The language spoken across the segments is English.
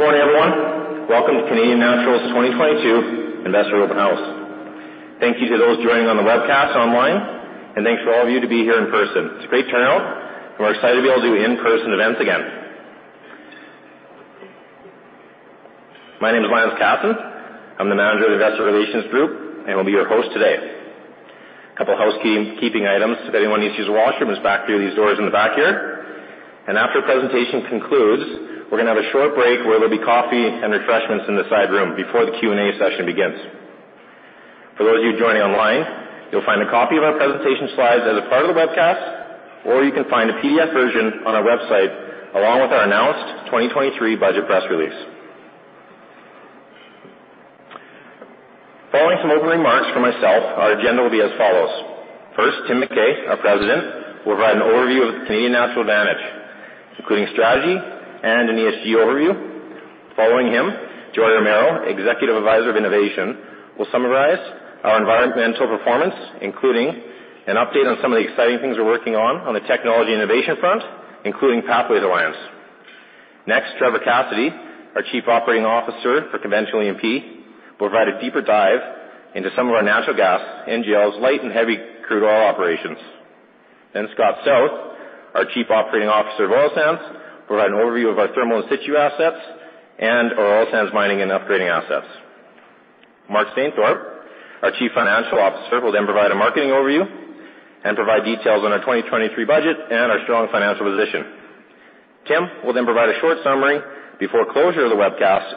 Good morning, everyone. Welcome to Canadian Natural's 2022 Investor Open House. Thank you to those joining on the webcast online. Thanks for all of you to be here in person. It's a great turnout. We're excited to be able to do in-person events again. My name is Lance Casson. I'm the Manager of Investor Relations Group. Will be your host today. A couple of housekeeping items. If anyone needs to use the washroom, it's back through these doors in the back here. After the presentation concludes, we're gonna have a short break where there'll be coffee and refreshments in the side room before the Q&A session begins. For those of you joining online, you'll find a copy of our presentation slides as a part of the webcast. You can find a PDF version on our website, along with our announced 2023 budget press release. Following some opening remarks from myself, our agenda will be as follows. First, Tim McKay, our President, will provide an overview of the Canadian Natural advantage, including strategy and an ESG overview. Following him, George Romero, Executive Advisor of Innovation, will summarize our environmental performance, including an update on some of the exciting things we're working on the technology innovation front, including Pathways Alliance. Next, Trevor Cassidy, our Chief Operating Officer for Conventional E&P, will provide a deeper dive into some of our natural gas, NGLs, light and heavy crude oil operations. Scott Stauth, our Chief Operating Officer of Oil Sands, will provide an overview of our thermal in-situ assets and our oil sands mining and upgrading assets. Mark Stainthorpe, our Chief Financial Officer, will provide a marketing overview and provide details on our 2023 budget and our strong financial position. Tim will provide a short summary before closure of the webcast,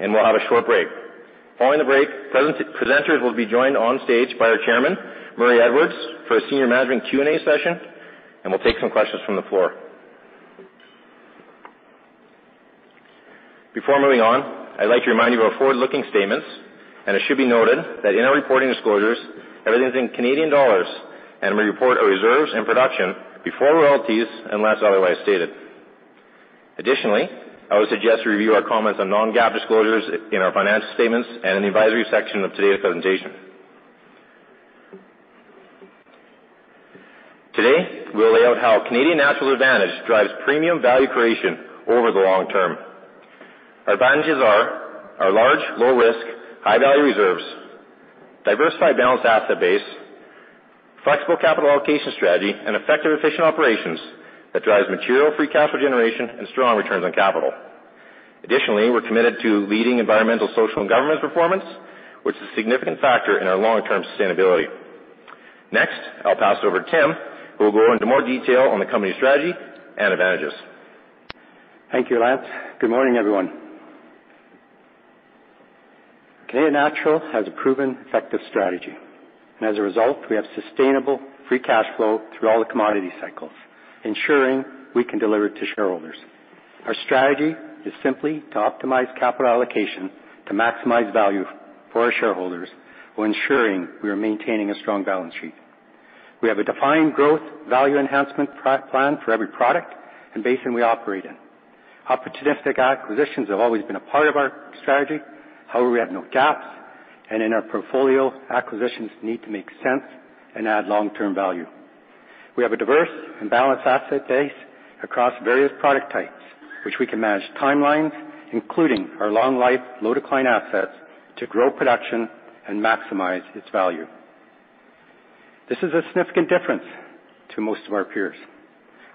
and we'll have a short break. Following the break, presenters will be joined on stage by our Chairman, Murray Edwards, for a senior management Q&A session, and we'll take some questions from the floor. Before moving on, I'd like to remind you of our forward-looking statements, and it should be noted that in our reporting disclosures, everything is in Canadian dollars, and we report our reserves and production before royalties, unless otherwise stated. Additionally, I would suggest to review our comments on non-GAAP disclosures in our financial statements and in the advisory section of today's presentation. Today, we'll lay out how Canadian Natural Advantage drives premium value creation over the long term. Our advantages are our large, low-risk, high-value reserves, diversified balanced asset base, flexible capital allocation strategy, and effective, efficient operations that drives material free cash flow generation and strong returns on capital. Additionally, we're committed to leading environmental, social, and governance performance, which is a significant factor in our long-term sustainability. Next, I'll pass over to Tim, who will go into more detail on the company strategy and advantages. Thank you, Lance. Good morning, everyone. Canadian Natural has a proven effective strategy. As a result, we have sustainable free cash flow through all the commodity cycles, ensuring we can deliver to shareholders. Our strategy is simply to optimize capital allocation to maximize value for our shareholders while ensuring we are maintaining a strong balance sheet. We have a defined growth value enhancement plan for every product and basin we operate in. Opportunistic acquisitions have always been a part of our strategy, however, we have no gaps, and in our portfolio, acquisitions need to make sense and add long-term value. We have a diverse and balanced asset base across various product types, which we can manage timelines, including our long life, low decline assets, to grow production and maximize its value. This is a significant difference to most of our peers.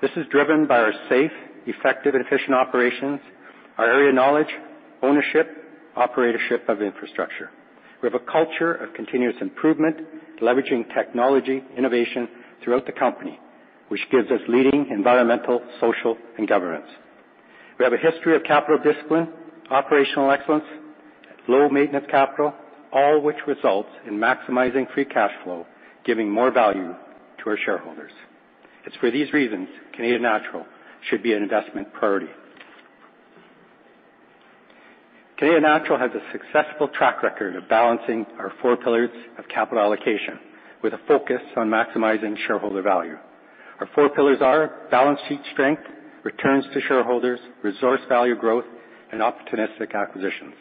This is driven by our safe, effective, and efficient operations, our area knowledge, ownership, operatorship of infrastructure. We have a culture of continuous improvement, leveraging technology, innovation throughout the company, which gives us leading environmental, social, and governance. We have a history of capital discipline, operational excellence, low maintenance capital, all which results in maximizing free cash flow, giving more value to our shareholders. It's for these reasons Canadian Natural should be an investment priority. Canadian Natural has a successful track record of balancing our four pillars of capital allocation with a focus on maximizing shareholder value. Our four pillars are balance sheet strength, returns to shareholders, resource value growth, and opportunistic acquisitions.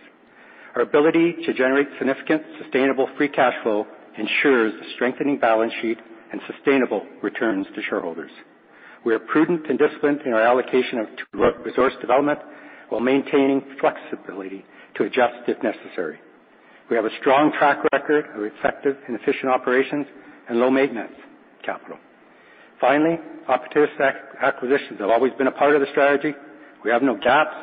Our ability to generate significant, sustainable free cash flow ensures a strengthening balance sheet and sustainable returns to shareholders. We are prudent and disciplined in our allocation of resource development while maintaining flexibility to adjust if necessary. We have a strong track record of effective and efficient operations and low maintenance capital. Opportunistic acquisitions have always been a part of the strategy. We have no gaps,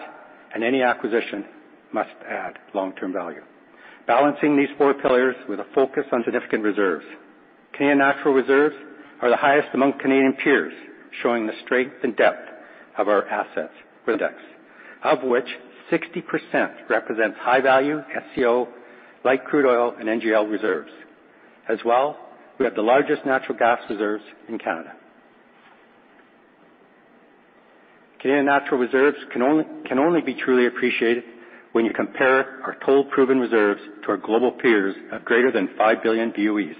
any acquisition must add long-term value. Balancing these four pillars with a focus on significant reserves. Canadian Natural reserves are the highest among Canadian peers, showing the strength and depth of our assets index, of which 60% represents high-value SCO, light crude oil, and NGL reserves. We have the largest natural gas reserves in Canada. Canadian Natural Resources can only be truly appreciated when you compare our total proven reserves to our global peers of greater than 5 billion BOEs.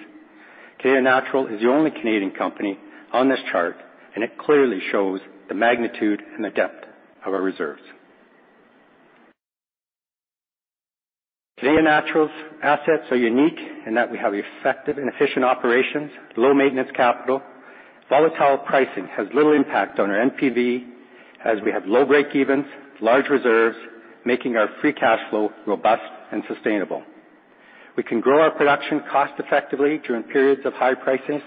Canadian Natural is the only Canadian company on this chart. It clearly shows the magnitude and the depth of our reserves. Canadian Natural's assets are unique in that we have effective and efficient operations, low maintenance capital. Volatile pricing has little impact on our NPV as we have low breakevens, large reserves, making our free cash flow robust and sustainable. We can grow our production cost-effectively during periods of high prices.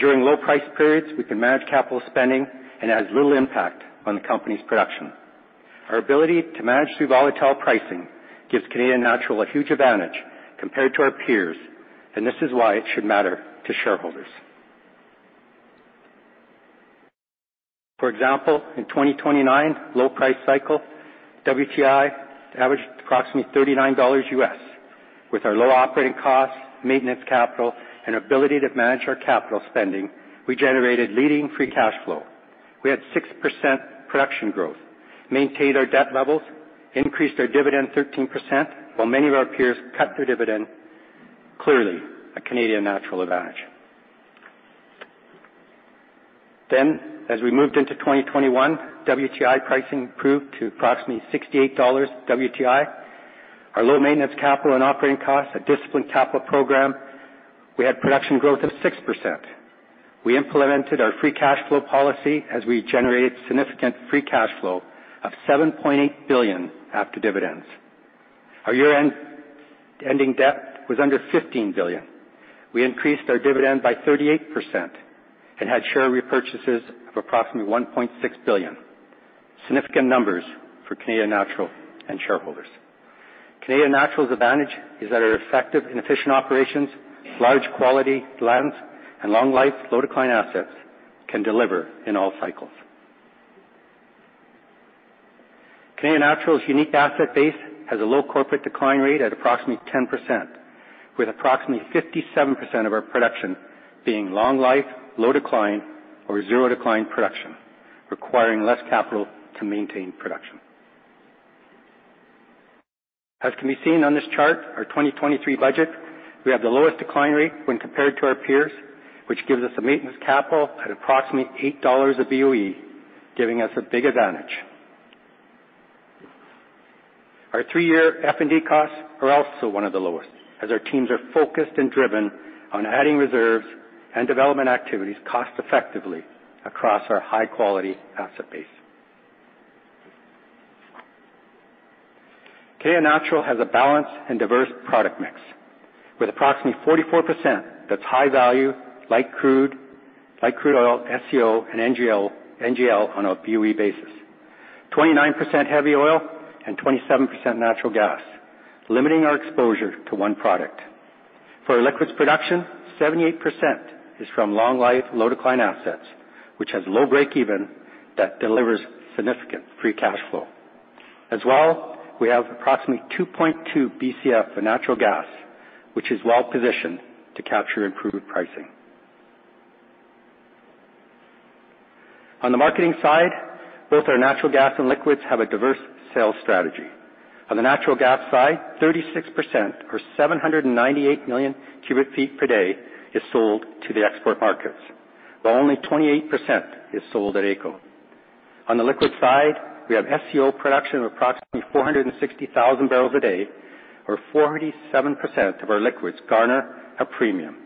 During low price periods, we can manage capital spending. It has little impact on the company's production. Our ability to manage through volatile pricing gives Canadian Natural a huge advantage compared to our peers. This is why it should matter to shareholders. For example, in 2029, low price cycle, WTI averaged approximately $39 with our low operating costs, maintenance capital, and ability to manage our capital spending, we generated leading free cash flow. We had 6% production growth, maintained our debt levels, increased our dividend 13% while many of our peers cut their dividend. Clearly, a Canadian Natural advantage. As we moved into 2021, WTI pricing improved to approximately $68 WTI. Our low maintenance capital and operating costs, a disciplined capital program, we had production growth of 6%. We implemented our free cash flow policy as we generated significant free cash flow of CAD 7.8 billion after dividends. Our year-end ending debt was under CAD 15 billion. We increased our dividend by 38% and had share repurchases of approximately 1.6 billion. Significant numbers for Canadian Natural and shareholders. Canadian Natural's advantage is that our effective and efficient operations, large quality lands, and long life, low decline assets can deliver in all cycles. Canadian Natural's unique asset base has a low corporate decline rate at approximately 10%, with approximately 57% of our production being long life, low decline, or zero decline production, requiring less capital to maintain production. As can be seen on this chart, our 2023 budget, we have the lowest decline rate when compared to our peers, which gives us a maintenance capital at approximately $8 a BOE, giving us a big advantage. Our three-year F&D costs are also one of the lowest, as our teams are focused and driven on adding reserves and development activities cost-effectively across our high-quality asset base. Canadian Natural has a balanced and diverse product mix with approximately 44% that's high value, light crude, light crude oil, SCO, and NGL on a BOE basis. 29% heavy oil and 27% natural gas, limiting our exposure to one product. For our liquids production, 78% is from long life, low break even assets, which has low break even that delivers significant free cash flow. As well, we have approximately 2.2 BCF for natural gas, which is well-positioned to capture improved pricing. On the marketing side, both our natural gas and liquids have a diverse sales strategy. On the natural gas side, 36% or 798 million cu ft per day is sold to the export markets, while only 28% is sold at AECO. On the liquid side, we have SCO production of approximately 460,000 bbl a day, or 47% of our liquids garner a premium.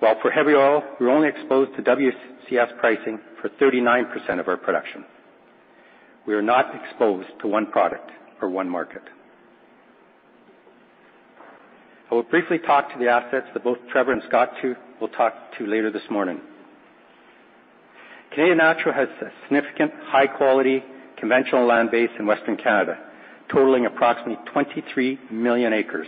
While for heavy oil, we're only exposed to WCS pricing for 39% of our production. We are not exposed to one product or one market. I will briefly talk to the assets that both Trevor and Scott too will talk to later this morning. Canadian Natural has a significant high-quality conventional land base in Western Canada, totaling approximately 23 million acres,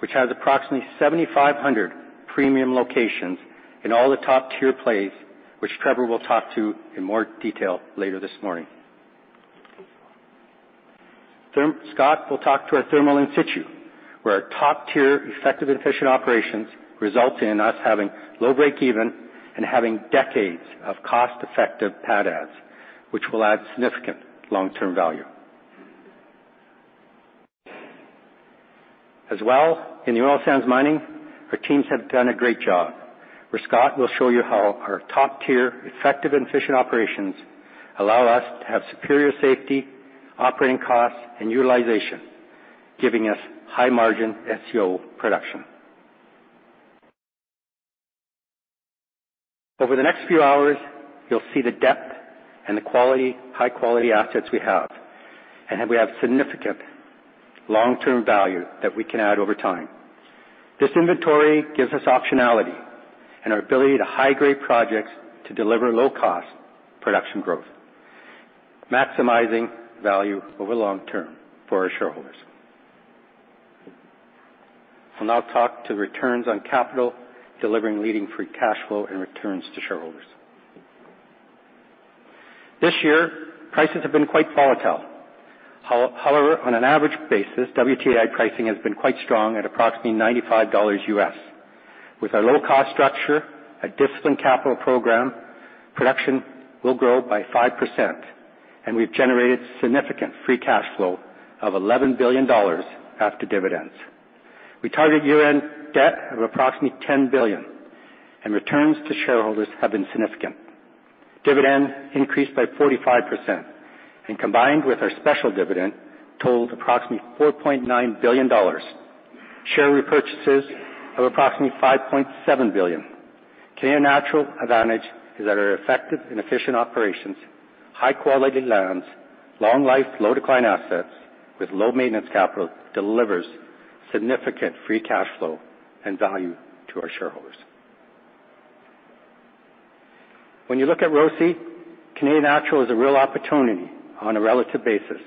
which has approximately 7,500 premium locations in all the top-tier plays, which Trevor will talk to in more detail later this morning. Scott will talk to our thermal in situ, where our top-tier effective and efficient operations results in us having low break even and having decades of cost-effective pad adds, which will add significant long-term value. As well, in the oil sands mining, our teams have done a great job, where Scott will show you how our top-tier effective and efficient operations allow us to have superior safety, operating costs, and utilization, giving us high-margin SCO production. Over the next few hours, you'll see the depth and the quality, high-quality assets we have, and how we have significant long-term value that we can add over time. This inventory gives us optionality and our ability to high-grade projects to deliver low cost production growth, maximizing value over long term for our shareholders. I'll now talk to returns on capital, delivering leading free cash flow and returns to shareholders. This year, prices have been quite volatile. However, on an average basis, WTI pricing has been quite strong at approximately $95 US. With our low-cost structure, a disciplined capital program, production will grow by 5%, and we've generated significant free cash flow of 11 billion dollars after dividends. We target year-end debt of approximately 10 billion, and returns to shareholders have been significant. Dividend increased by 45% and combined with our special dividend totaled approximately 4.9 billion dollars. Share repurchases of approximately 5.7 billion Canadian dollars. Canadian Natural advantage is that our effective and efficient operations, high-quality lands, long life, low decline assets with low maintenance capital delivers significant free cash flow and value to our shareholders. When you look at ROCE, Canadian Natural is a real opportunity on a relative basis.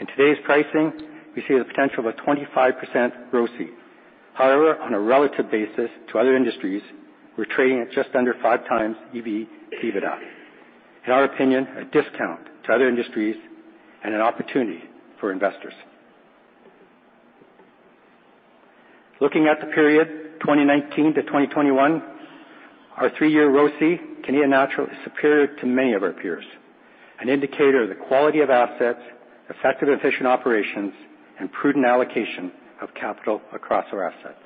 In today's pricing, we see the potential of a 25% ROCE. However, on a relative basis to other industries, we're trading at just under 5x EBITDA. In our opinion, a discount to other industries and an opportunity for investors. Looking at the period 2019-2021, our three-year ROCE, Canadian Natural is superior to many of our peers, an indicator of the quality of assets, effective and efficient operations, and prudent allocation of capital across our assets.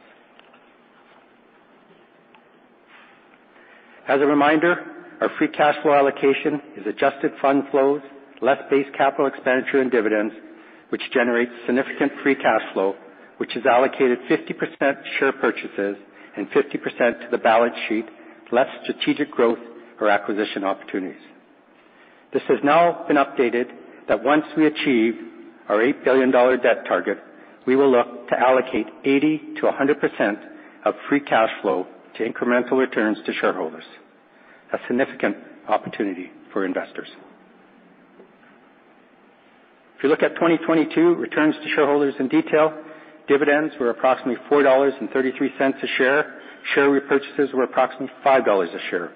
As a reminder, our free cash flow allocation is Adjusted Funds Flow, less base capital expenditure and dividends, which generates significant free cash flow, which is allocated 50% share purchases and 50% to the balance sheet, less strategic growth or acquisition opportunities. This has now been updated that once we achieve our 8 billion dollar debt target, we will look to allocate 80%-100% of free cash flow to incremental returns to shareholders. A significant opportunity for investors. If you look at 2022 returns to shareholders in detail, dividends were approximately 4.33 dollars a share. Share repurchases were approximately 5 dollars a share,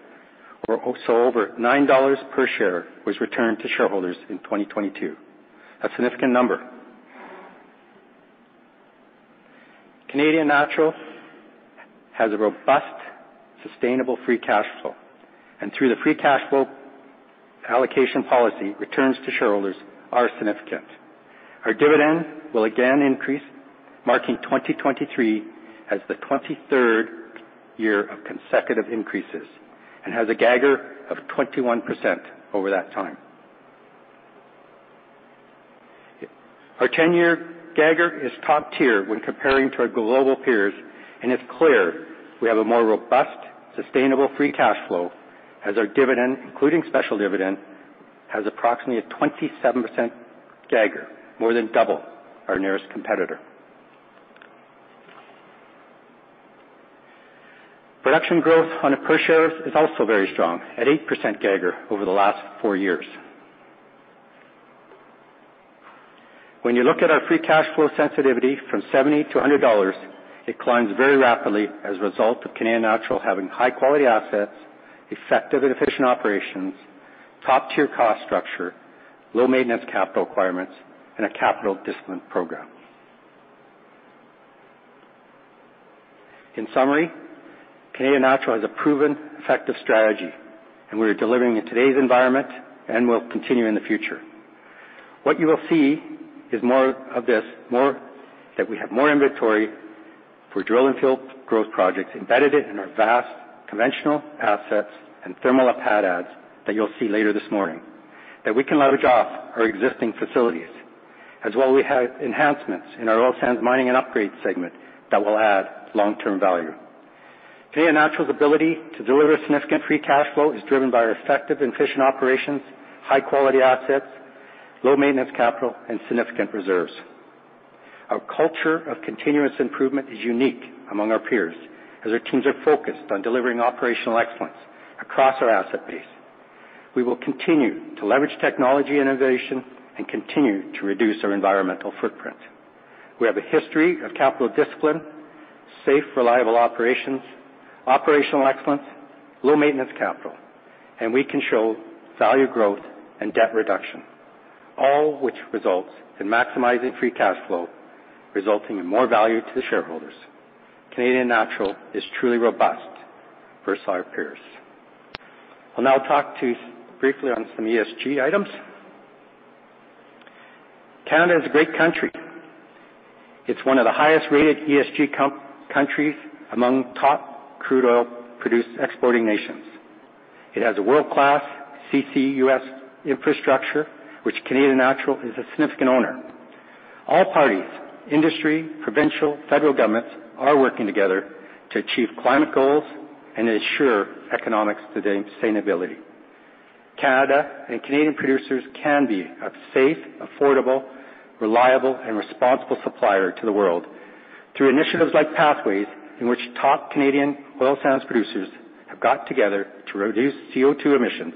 or so over 9 dollars per share was returned to shareholders in 2022. A significant number. Canadian Natural has a robust, sustainable free cash flow, and through the free cash flow allocation policy, returns to shareholders are significant. Our dividend will again increase, marking 2023 as the 23rd year of consecutive increases and has a CAGR of 21% over that time. Our 10-year CAGR is top tier when comparing to our global peers, it's clear we have a more robust, sustainable free cash flow as our dividend, including special dividend, has approximately a 27% CAGR, more than double our nearest competitor. Production growth on a per share is also very strong at 8% CAGR over the last four years. When you look at our free cash flow sensitivity from 70-100 dollars, it climbs very rapidly as a result of Canadian Natural having high-quality assets, effective and efficient operations, top-tier cost structure, low maintenance capital requirements, and a capital discipline program. In summary, Canadian Natural has a proven effective strategy, and we are delivering in today's environment and will continue in the future. What you will see is more of this, that we have more inventory for drill and field growth projects embedded in our vast conventional assets and thermal pad adds that you'll see later this morning. That we can leverage off our existing facilities. As well, we have enhancements in our oil sands mining and upgrade segment that will add long-term value. Canadian Natural's ability to deliver significant free cash flow is driven by our effective and efficient operations, high-quality assets, low maintenance capital, and significant reserves. Our culture of continuous improvement is unique among our peers as our teams are focused on delivering operational excellence across our asset base. We will continue to leverage technology innovation and continue to reduce our environmental footprint. We have a history of capital discipline, safe, reliable operations, operational excellence, low maintenance capital. We can show value growth and debt reduction, all which results in maximizing free cash flow, resulting in more value to the shareholders. Canadian Natural is truly robust versus our peers. I'll now talk to, briefly on some ESG items. Canada is a great country. It's one of the highest-rated ESG countries among top crude oil produced exporting nations. It has a world-class CCUS infrastructure, which Canadian Natural is a significant owner. All parties, industry, provincial, federal governments, are working together to achieve climate goals and ensure economics today and sustainability. Canada and Canadian producers can be a safe, affordable, reliable, and responsible supplier to the world through initiatives like Pathways, in which top Canadian oil sands producers have got together to reduce CO2 emissions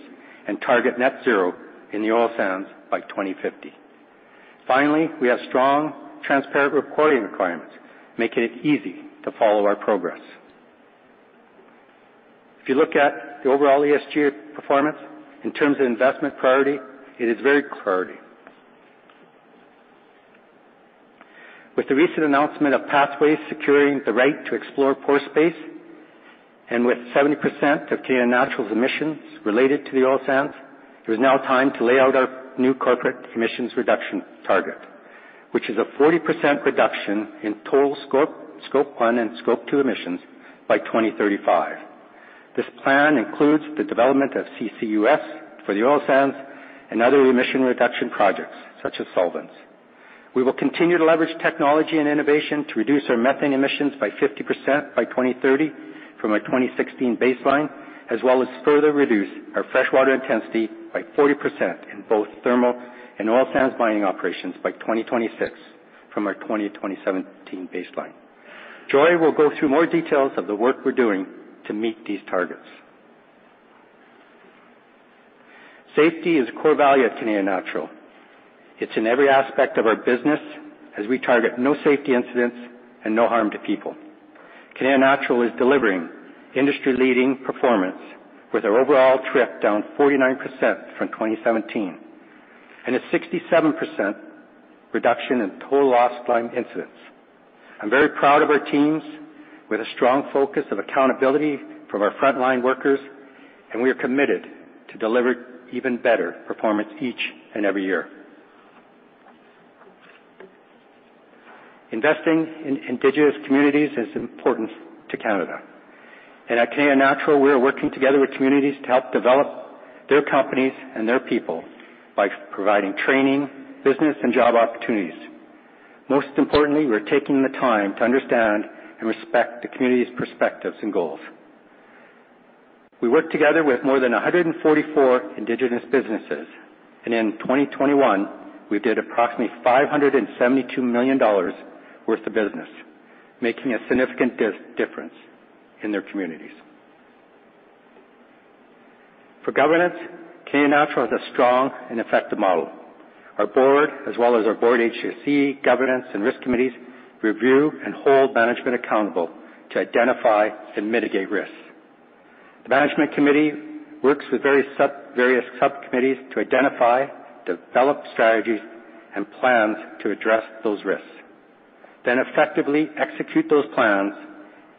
and target net zero in the oil sands by 2050. Finally, we have strong, transparent reporting requirements, making it easy to follow our progress. If you look at the overall ESG performance in terms of investment priority, it is very clarity. With the recent announcement of Pathways securing the right to explore pore space and with 70% of Canadian Natural's emissions related to the oil sands, it is now time to lay out our new corporate emissions reduction target, which is a 40% reduction in total Scope 1 and Scope 2 emissions by 2035. This plan includes the development of CCUS for the oil sands and other emission reduction projects such as solvents. We will continue to leverage technology and innovation to reduce our methane emissions by 50% by 2030 from our 2016 baseline, as well as further reduce our freshwater intensity by 40% in both thermal and oil sands mining operations by 2026 from our 2017 baseline. Joy will go through more details of the work we're doing to meet these targets. Safety is a core value at Canadian Natural. It's in every aspect of our business as we target no safety incidents and no harm to people. Canadian Natural is delivering industry-leading performance with our overall TRIP down 49% from 2017 and a 67% reduction in total lost time incidents. I'm very proud of our teams with a strong focus of accountability from our frontline workers, and we are committed to deliver even better performance each and every year. Investing in indigenous communities is important to Canada. At Canadian Natural, we are working together with communities to help develop their companies and their people by providing training, business, and job opportunities. Most importantly, we're taking the time to understand and respect the community's perspectives and goals. We work together with more than 144 indigenous businesses, in 2021, we did approximately $572 million worth of business, making a significant difference in their communities. For governance, Canadian Natural has a strong and effective model. Our board, as well as our board HSC governance and risk committees, review and hold management accountable to identify and mitigate risks. The management committee works with various subcommittees to identify, develop strategies and plans to address those risks, then effectively execute those plans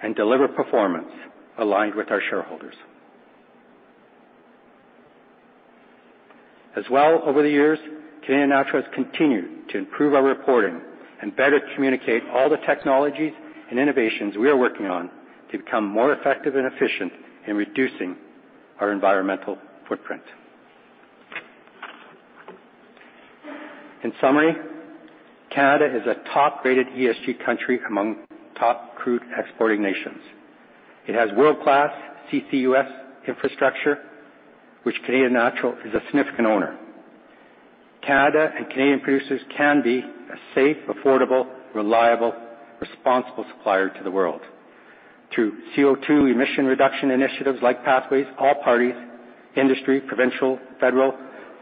and deliver performance aligned with our shareholders. Over the years, Canadian Natural has continued to improve our reporting and better communicate all the technologies and innovations we are working on to become more effective and efficient in reducing our environmental footprint. In summary, Canada is a top-rated ESG country among top crude exporting nations. It has world-class CCUS infrastructure, which Canadian Natural is a significant owner. Canada and Canadian producers can be a safe, affordable, reliable, responsible supplier to the world. Through CO2 emission reduction initiatives like Pathways, all parties, industry, provincial, federal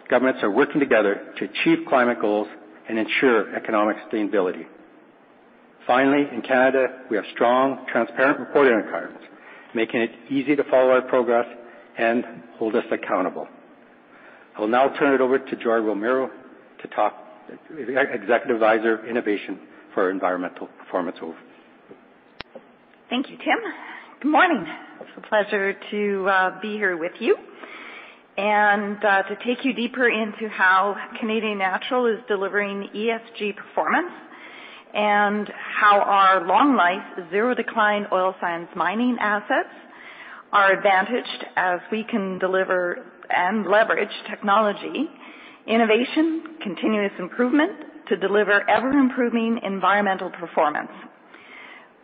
governments are working together to achieve climate goals and ensure economic sustainability. In Canada, we have strong, transparent reporting requirements, making it easy to follow our progress and hold us accountable. I'll now turn it over to Joy Romero, Executive Advisor of Innovation for environmental performance overview. Thank you, Tim. Good morning. It's a pleasure to be here with you and to take you deeper into how Canadian Natural is delivering ESG performance and how our long life, zero decline oil sands mining assets are advantaged as we can deliver and leverage technology, innovation, continuous improvement to deliver ever-improving environmental performance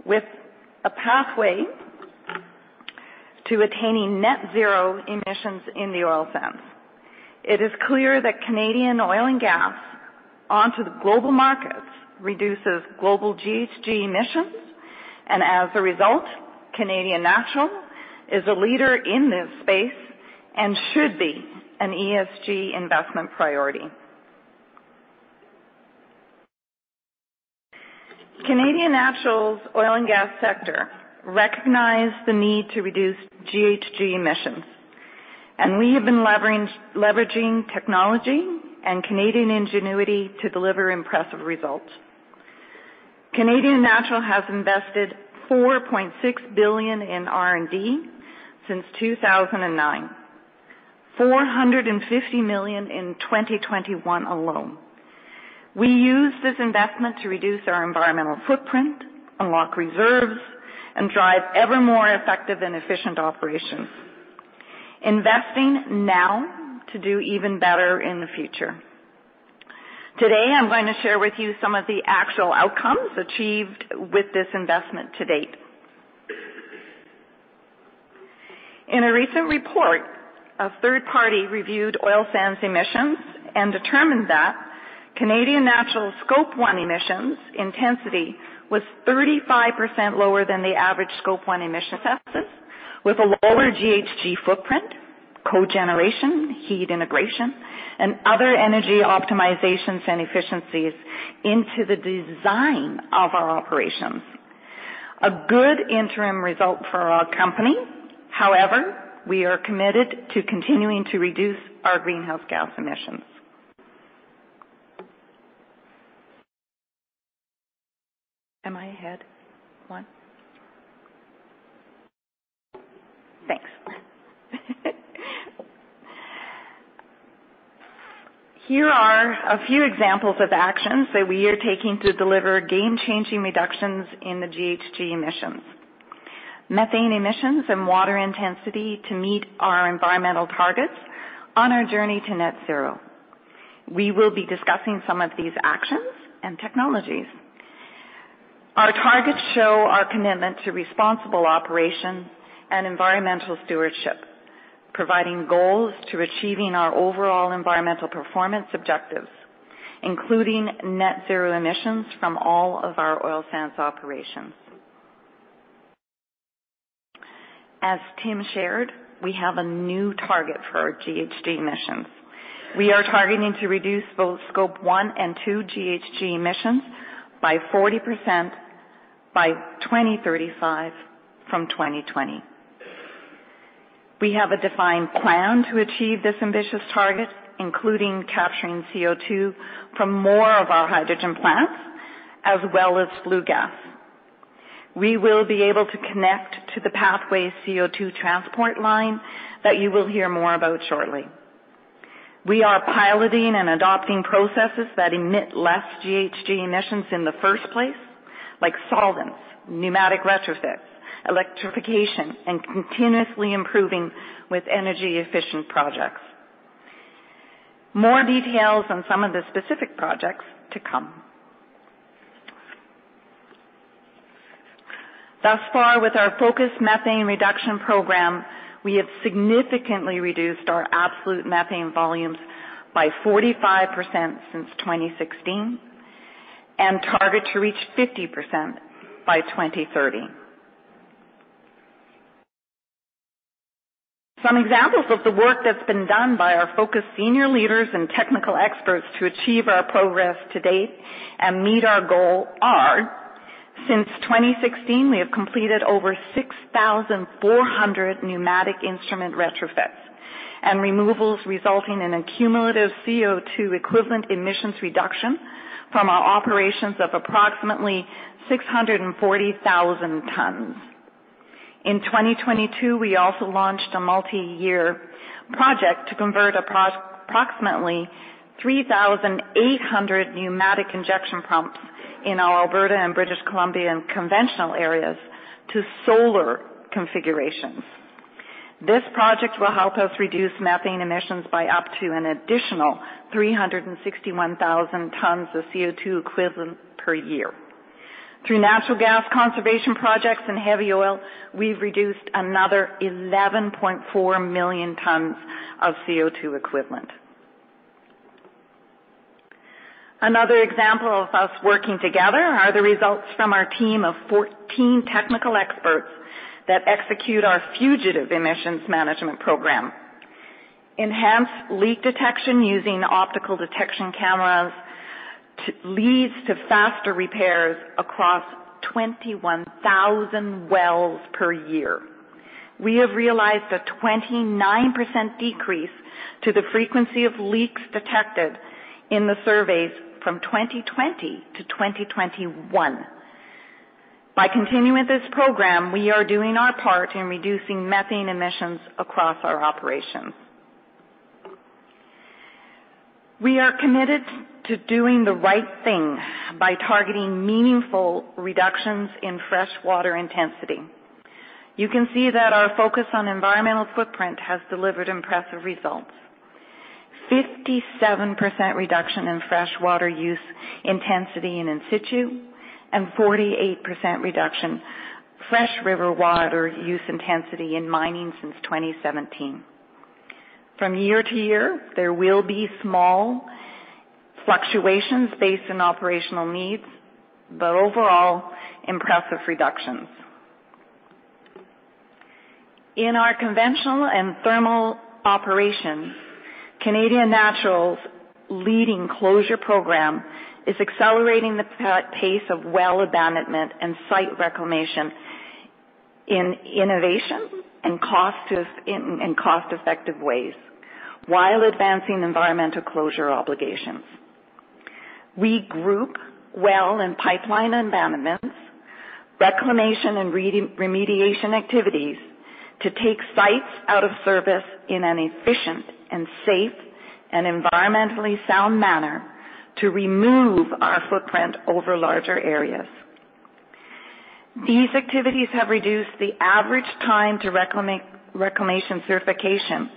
with a pathway to attaining net zero emissions in the oil sands. It is clear that Canadian oil and gas onto the global markets reduces global GHG emissions. As a result, Canadian Natural is a leader in this space and should be an ESG investment priority. Canadian Natural's oil and gas sector recognized the need to reduce GHG emissions, and we have been leveraging technology and Canadian ingenuity to deliver impressive results. Canadian Natural has invested 4.6 billion in R&D since 2009. 450 million in 2021 alone. We use this investment to reduce our environmental footprint, unlock reserves, and drive ever more effective and efficient operations. Investing now to do even better in the future. Today, I'm going to share with you some of the actual outcomes achieved with this investment to date. In a recent report, a third party reviewed oil sands emissions and determined that Canadian Natural's Scope 1 emissions intensity was 35% lower than the average Scope 1 emission assets, with a lower GHG footprint, cogeneration, heat integration, and other energy optimizations and efficiencies into the design of our operations. A good interim result for our company. We are committed to continuing to reduce our greenhouse gas emissions. Am I ahead? Here are a few examples of actions that we are taking to deliver game-changing reductions in the GHG emissions, methane emissions, and water intensity to meet our environmental targets on our journey to net zero. We will be discussing some of these actions and technologies. Our targets show our commitment to responsible operation and environmental stewardship, providing goals to achieving our overall environmental performance objectives, including net zero emissions from all of our oil sands operations. As Tim shared, we have a new target for our GHG emissions. We are targeting to reduce both Scope 1 and 2 GHG emissions by 40% by 2035 from 2020. We have a defined plan to achieve this ambitious target, including capturing CO2 from more of our hydrogen plants as well as flue gas. We will be able to connect to the Pathways CO2 transport line that you will hear more about shortly. We are piloting and adopting processes that emit less GHG emissions in the first place, like solvents, pneumatic retrofits, electrification, and continuously improving with energy-efficient projects. More details on some of the specific projects to come. Thus far with our focused methane reduction program, we have significantly reduced our absolute methane volumes by 45% since 2016 and target to reach 50% by 2030. Some examples of the work that's been done by our focused senior leaders and technical experts to achieve our progress to date and meet our goal are, since 2016, we have completed over 6,400 pneumatic instrument retrofits and removals, resulting in a cumulative CO2 equivalent emissions reduction from our operations of approximately 640,000 tons. In 2022, we also launched a multi-year project to convert approximately 3,800 pneumatic injection pumps in our Alberta and British Columbia conventional areas to solar configurations. This project will help us reduce methane emissions by up to an additional 361,000 tons of CO2 equivalent per year. Through natural gas conservation projects and heavy oil, we've reduced another 11.4 million tons of CO2 equivalent. Another example of us working together are the results from our team of 14 technical experts that execute our fugitive emissions management program. Enhanced leak detection using optical detection cameras leads to faster repairs across 21,000 wells per year. We have realized a 29% decrease to the frequency of leaks detected in the surveys from 2020 to 2021. By continuing this program, we are doing our part in reducing methane emissions across our operations. We are committed to doing the right thing by targeting meaningful reductions in fresh water intensity. You can see that our focus on environmental footprint has delivered impressive results. 57% reduction in fresh water use intensity in in situ and 48% reduction fresh river water use intensity in mining since 2017. From year-to-year, there will be small fluctuations based on operational needs, but overall, impressive reductions. In our conventional and thermal operations, Canadian Natural's leading closure program is accelerating the pace of well abandonment and site reclamation in innovation and cost-effective ways while advancing environmental closure obligations. We group well and pipeline abandonments, reclamation, and remediation activities to take sites out of service in an efficient and safe and environmentally sound manner to remove our footprint over larger areas. These activities have reduced the average time to reclamation certification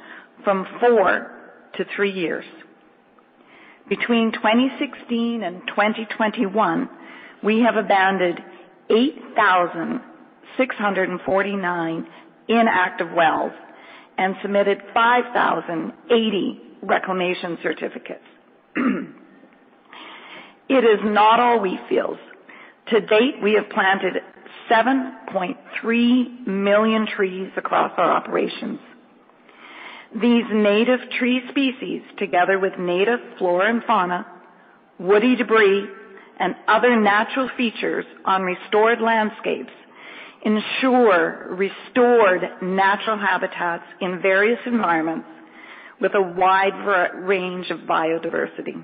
from four to three years. Between 2016 and 2021, we have abandoned 8,649 inactive wells and submitted 5,080 reclamation certificates. It is not all we fields. To date, we have planted 7.3 million trees across our operations. These native tree species, together with native flora and fauna, woody debris, and other natural features on restored landscapes ensure restored natural habitats in various environments with a wide range of biodiversity.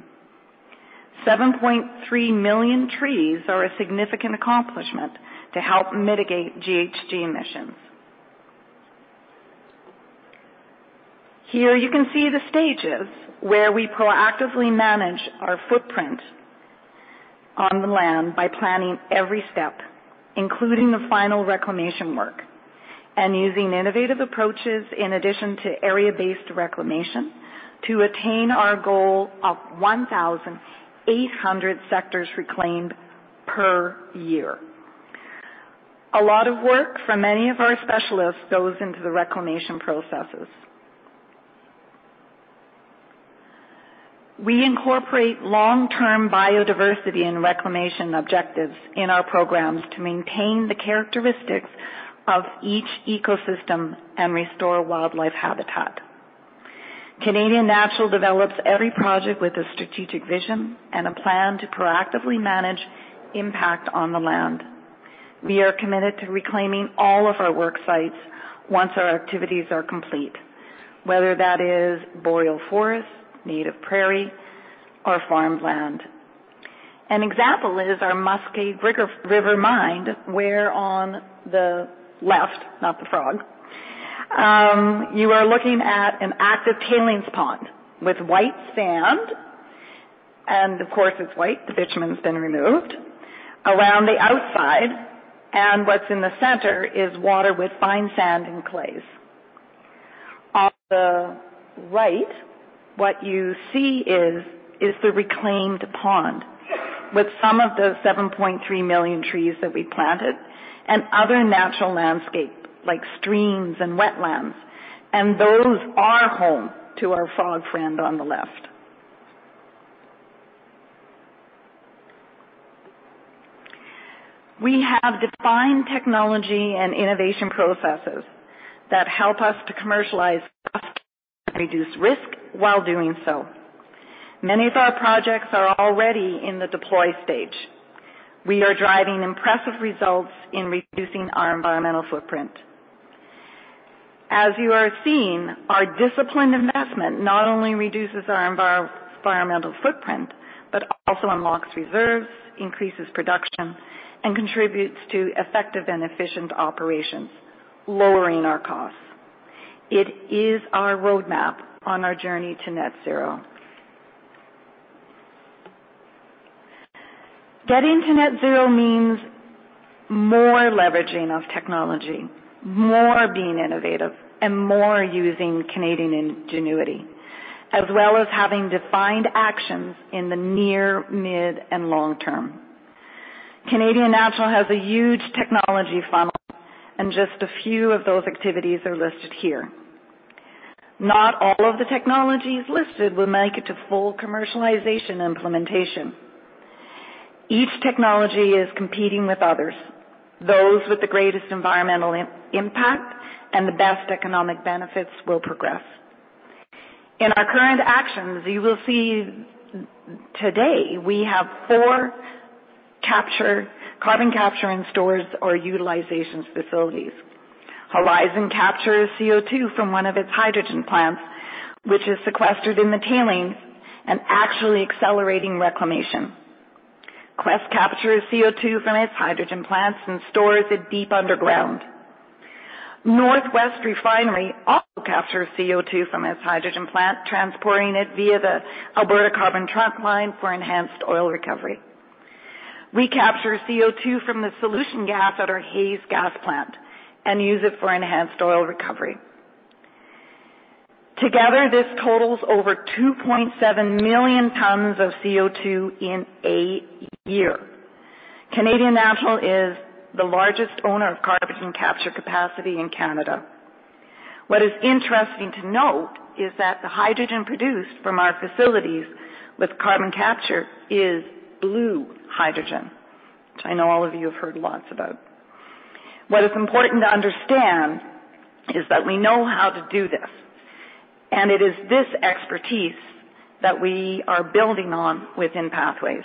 7.3 million trees are a significant accomplishment to help mitigate GHG emissions. Here you can see the stages where we proactively manage our footprint on the land by planning every step, including the final reclamation work and using innovative approaches in addition to area-based reclamation to attain our goal of 1,800 sectors reclaimed per year. A lot of work from many of our specialists goes into the reclamation processes. We incorporate long-term biodiversity and reclamation objectives in our programs to maintain the characteristics of each ecosystem and restore wildlife habitat. Canadian Natural develops every project with a strategic vision and a plan to proactively manage impact on the land. We are committed to reclaiming all of our work sites once our activities are complete, whether that is boreal forest, native prairie or farmland. An example is our Muskeg River mine, where on the left, not the frog, you are looking at an active tailings pond with white sand. Of course, it's white. The bitumen's been removed around the outside. What's in the center is water with fine sand and clays. On the right, what you see is the reclaimed pond with some of the 7.3 million trees that we planted and other natural landscape like streams and wetlands. Those are home to our frog friend on the left. We have defined technology and innovation processes that help us to commercialize costs and reduce risk while doing so. Many of our projects are already in the deploy stage. We are driving impressive results in reducing our environmental footprint. As you are seeing, our disciplined investment not only reduces our environmental footprint, but also unlocks reserves, increases production, and contributes to effective and efficient operations, lowering our costs. It is our roadmap on our journey to net zero. Getting to net zero means more leveraging of technology, more being innovative, and more using Canadian ingenuity, as well as having defined actions in the near, mid, and long term. Canadian Natural has a huge technology funnel, and just a few of those activities are listed here. Not all of the technologies listed will make it to full commercialization implementation. Each technology is competing with others. Those with the greatest environmental impact and the best economic benefits will progress. In our current actions, you will see today we have four carbon capture and stores or utilizations facilities. Horizon captures CO2 from one of its hydrogen plants, which is sequestered in the tailings and actually accelerating reclamation. Quest captures CO2 from its hydrogen plants and stores it deep underground. North West Redwater Refinery also captures CO2 from its hydrogen plant, transporting it via the Alberta Carbon Trunk Line for enhanced oil recovery. We capture CO2 from the solution gas at our Hays Gas Plant and use it for enhanced oil recovery. Together, this totals over 2.7 million tons of CO2 in a year. Canadian Natural is the largest owner of carbon capture capacity in Canada. What is interesting to note is that the hydrogen produced from our facilities with carbon capture is blue hydrogen, which I know all of you have heard lots about. What is important to understand is that we know how to do this, and it is this expertise that we are building on within Pathways.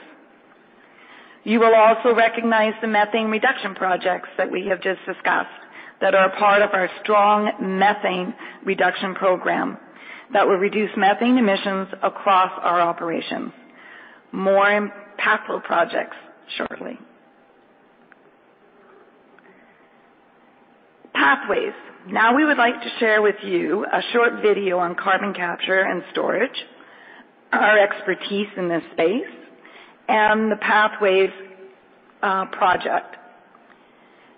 You will also recognize the methane reduction projects that we have just discussed that are a part of our strong methane reduction program that will reduce methane emissions across our operations. More impactful projects shortly. Pathways. Now we would like to share with you a short video on carbon capture and storage, our expertise in this space, and the Pathways project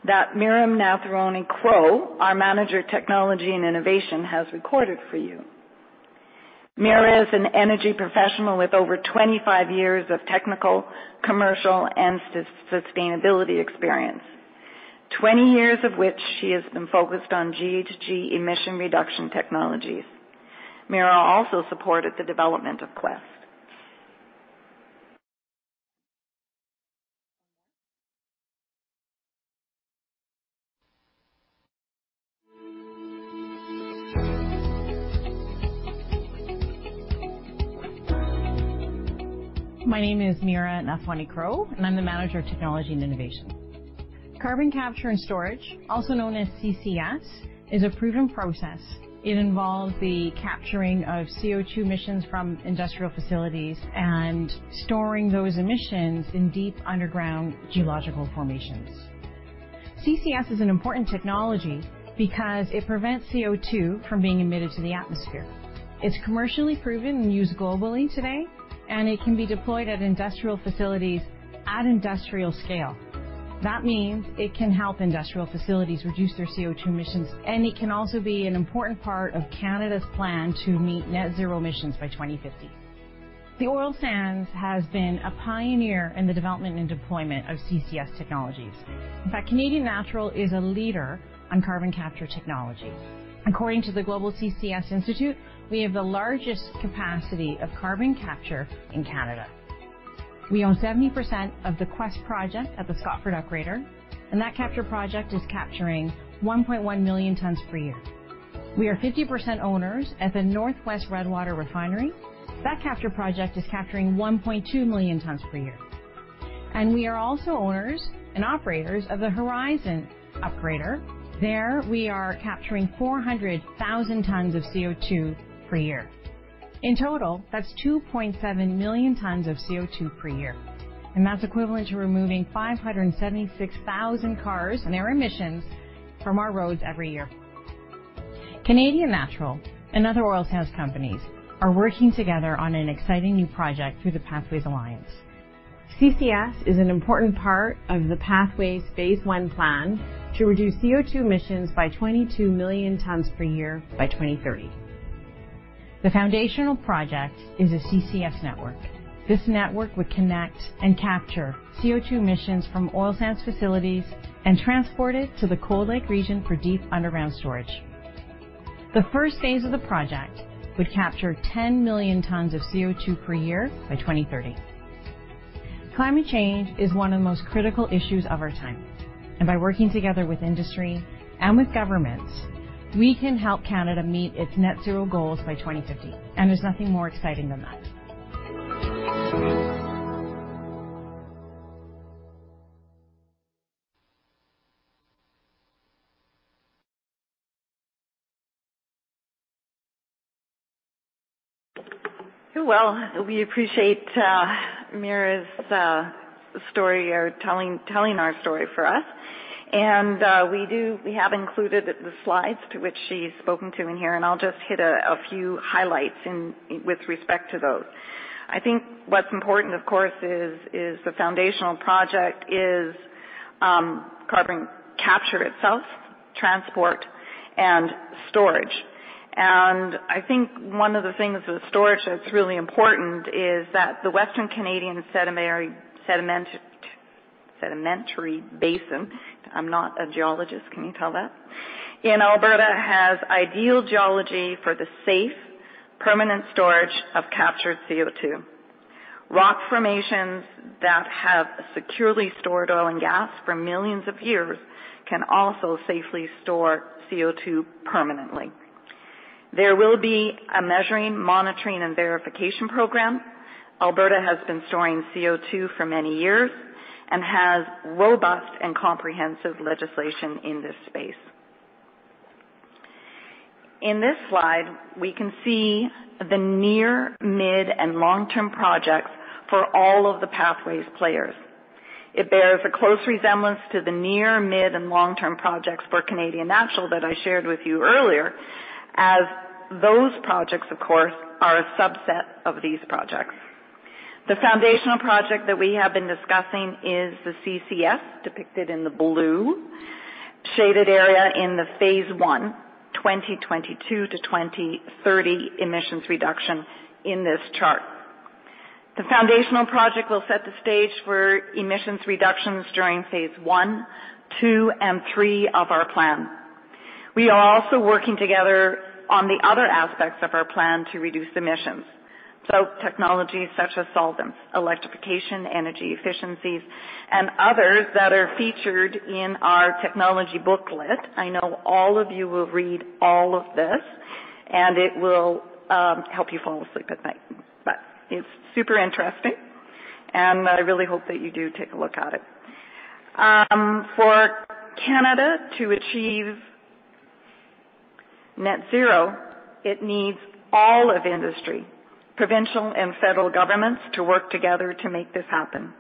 that Mira Nathwani-Crowe, our Manager of Technology and Innovation, has recorded for you. Mira is an energy professional with over 25 years of technical, commercial, and sustainability experience, 20 years of which she has been focused on GHG emission reduction technologies. Mira also supported the development of Quest. My name is Mira Nathwani-Crowe, and I'm the Manager of Technology and Innovation. Carbon capture and storage, also known as CCS, is a proven process. It involves the capturing of CO2 emissions from industrial facilities and storing those emissions in deep underground geological formations. CCS is an important technology because it prevents CO2 from being emitted to the atmosphere. It's commercially proven and used globally today, and it can be deployed at industrial facilities at industrial scale. That means it can help industrial facilities reduce their CO2 emissions, and it can also be an important part of Canada's plan to meet net zero emissions by 2050. The oil sands has been a pioneer in the development and deployment of CCS technologies. In fact, Canadian Natural is a leader on carbon capture technology. According to the Global CCS Institute, we have the largest capacity of carbon capture in Canada. We own 70% of the Quest project at the Scotford Upgrader, and that capture project is capturing 1.1 million tons per year. We are 50% owners at the North West Redwater Refinery. That capture project is capturing 1.2 million tons per year. We are also owners and operators of the Horizon Upgrader. There, we are capturing 400,000 tons of CO2 per year. In total, that's 2.7 million tons of CO2 per year, and that's equivalent to removing 576,000 cars and their emissions from our roads every year. Canadian Natural and other oil sands companies are working together on an exciting new project through the Pathways Alliance. CCS is an important part of the Pathways phase I plan to reduce CO2 emissions by 22 million tons per year by 2030. The foundational project is a CCS network. This network would connect and capture CO2 emissions from oil sands facilities and transport it to the Cold Lake region for deep underground storage. The first phase of the project would capture 10 million tons of CO2 per year by 2030. Climate change is one of the most critical issues of our time. By working together with industry and with governments, we can help Canada meet its net zero goals by 2050. There's nothing more exciting than that. Well, we appreciate Mira's story or telling our story for us. We have included the slides to which she's spoken to in here, and I'll just hit a few highlights in with respect to those. I think what's important, of course, is the foundational project is carbon capture itself, transport, and storage. I think one of the things with storage that's really important is that the Western Canadian Sedimentary Basin, I'm not a geologist, can you tell that? In Alberta has ideal geology for the safe, permanent storage of captured CO2. Rock formations that have securely stored oil and gas for millions of years can also safely store CO2 permanently. There will be a measuring, monitoring, and verification program. Alberta has been storing CO2 for many years and has robust and comprehensive legislation in this space. In this slide, we can see the near, mid, and long-term projects for all of the Pathways players. It bears a close resemblance to the near, mid, and long-term projects for Canadian Natural that I shared with you earlier, as those projects of course are a subset of these projects. The foundational project that we have been discussing is the CCS depicted in the blue shaded area in the phase one, 2022-2030 emissions reduction in this chart. The foundational project will set the stage for emissions reductions during phase one, two, and three of our plan. We are also working together on the other aspects of our plan to reduce emissions, so technologies such as solvents, electrification, energy efficiencies, and others that are featured in our technology booklet. I know all of you will read all of this, and it will help you fall asleep at night. It's super interesting, and I really hope that you do take a look at it. For Canada to achieve net zero, it needs all of industry, provincial and federal governments to work together to make this happen.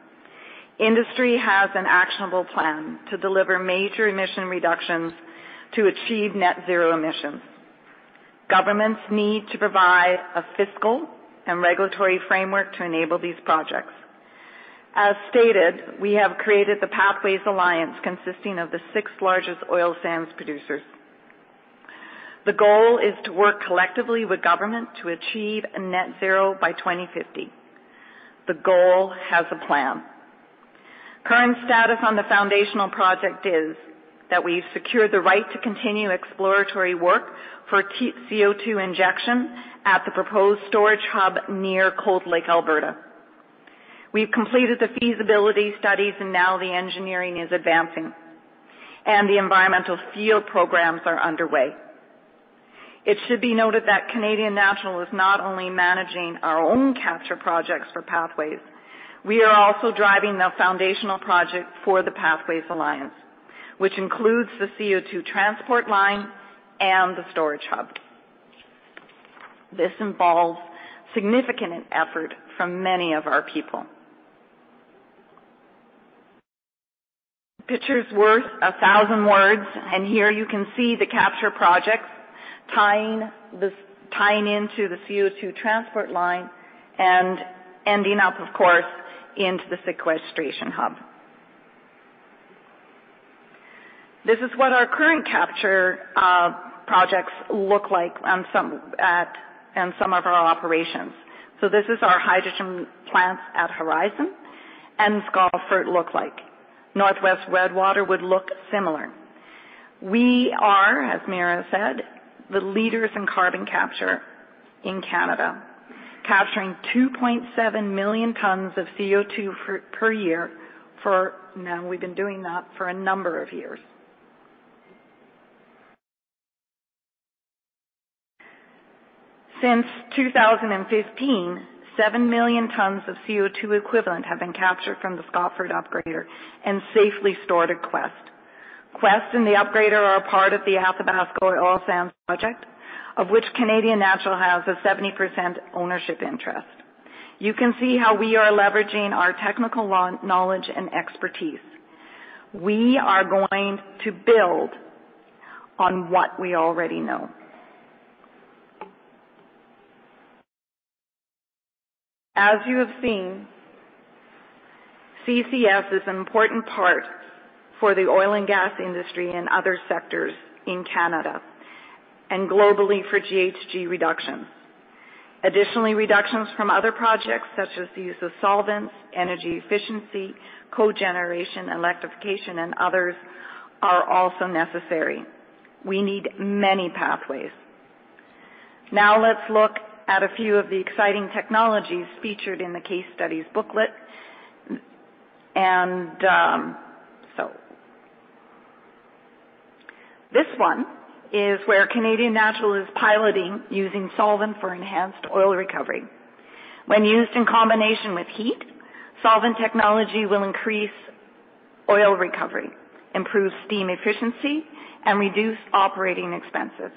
Industry has an actionable plan to deliver major emission reductions to achieve net zero emissions. Governments need to provide a fiscal and regulatory framework to enable these projects. As stated, we have created the Pathways Alliance consisting of the six largest oil sands producers. The goal is to work collectively with government to achieve a net zero by 2050. The goal has a plan. Current status on the foundational project is that we've secured the right to continue exploratory work for CO2 injection at the proposed storage hub near Cold Lake, Alberta. We've completed the feasibility studies, now the engineering is advancing, and the environmental field programs are underway. It should be noted that Canadian Natural is not only managing our own capture projects for Pathways, we are also driving the foundational project for the Pathways Alliance, which includes the CO2 transport line and the storage hub. This involves significant effort from many of our people. Picture's worth a thousand words. Here you can see the capture projects tying into the CO2 transport line and ending up, of course, into the sequestration hub. This is what our current capture projects look like in some of our operations. This is our hydrogen plants at Horizon and Scotford look like. North West Redwater would look similar. We are, as Mira said, the leaders in carbon capture in Canada, capturing 2.7 million tons of CO2 per year for now. We've been doing that for a number of years. Since 2015, 7 million tons of CO2 equivalent have been captured from the Scotford Upgrader and safely stored at Quest. Quest and the Upgrader are a part of the Athabasca Oil Sands Project, of which Canadian Natural has a 70% ownership interest. You can see how we are leveraging our technical knowledge and expertise. We are going to build on what we already know. As you have seen, CCS is an important part for the oil and gas industry and other sectors in Canada and globally for GHG reductions. Additionally, reductions from other projects such as the use of solvents, energy efficiency, cogeneration, electrification, and others are also necessary. We need many pathways. Now let's look at a few of the exciting technologies featured in the case studies booklet. This one is where Canadian Natural is piloting using solvent for enhanced oil recovery. When used in combination with heat, solvent technology will increase oil recovery, improve steam efficiency, and reduce operating expenses.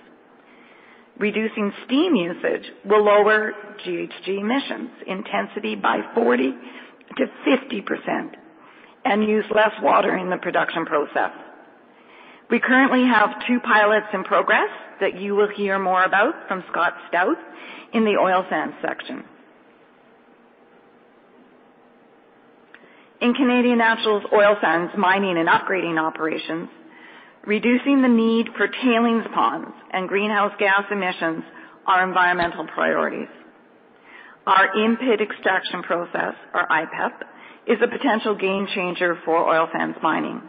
Reducing steam usage will lower GHG emissions intensity by 40%-50% and use less water in the production process. We currently have two pilots in progress that you will hear more about from Scott Stauth in the oil sands section. In Canadian Natural's oil sands mining and upgrading operations, reducing the need for tailings ponds and greenhouse gas emissions are environmental priorities. Our in-pit extraction process, or IPEP, is a potential game-changer for oil sands mining.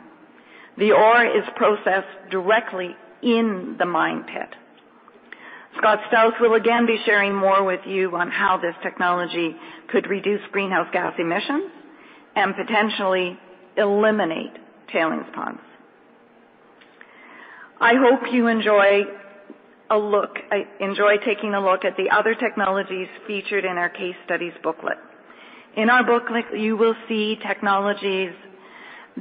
The ore is processed directly in the mine pit. Scott Stauth will again be sharing more with you on how this technology could reduce greenhouse gas emissions and potentially eliminate tailings ponds. I hope you enjoy taking a look at the other technologies featured in our case studies booklet. In our booklet, you will see technologies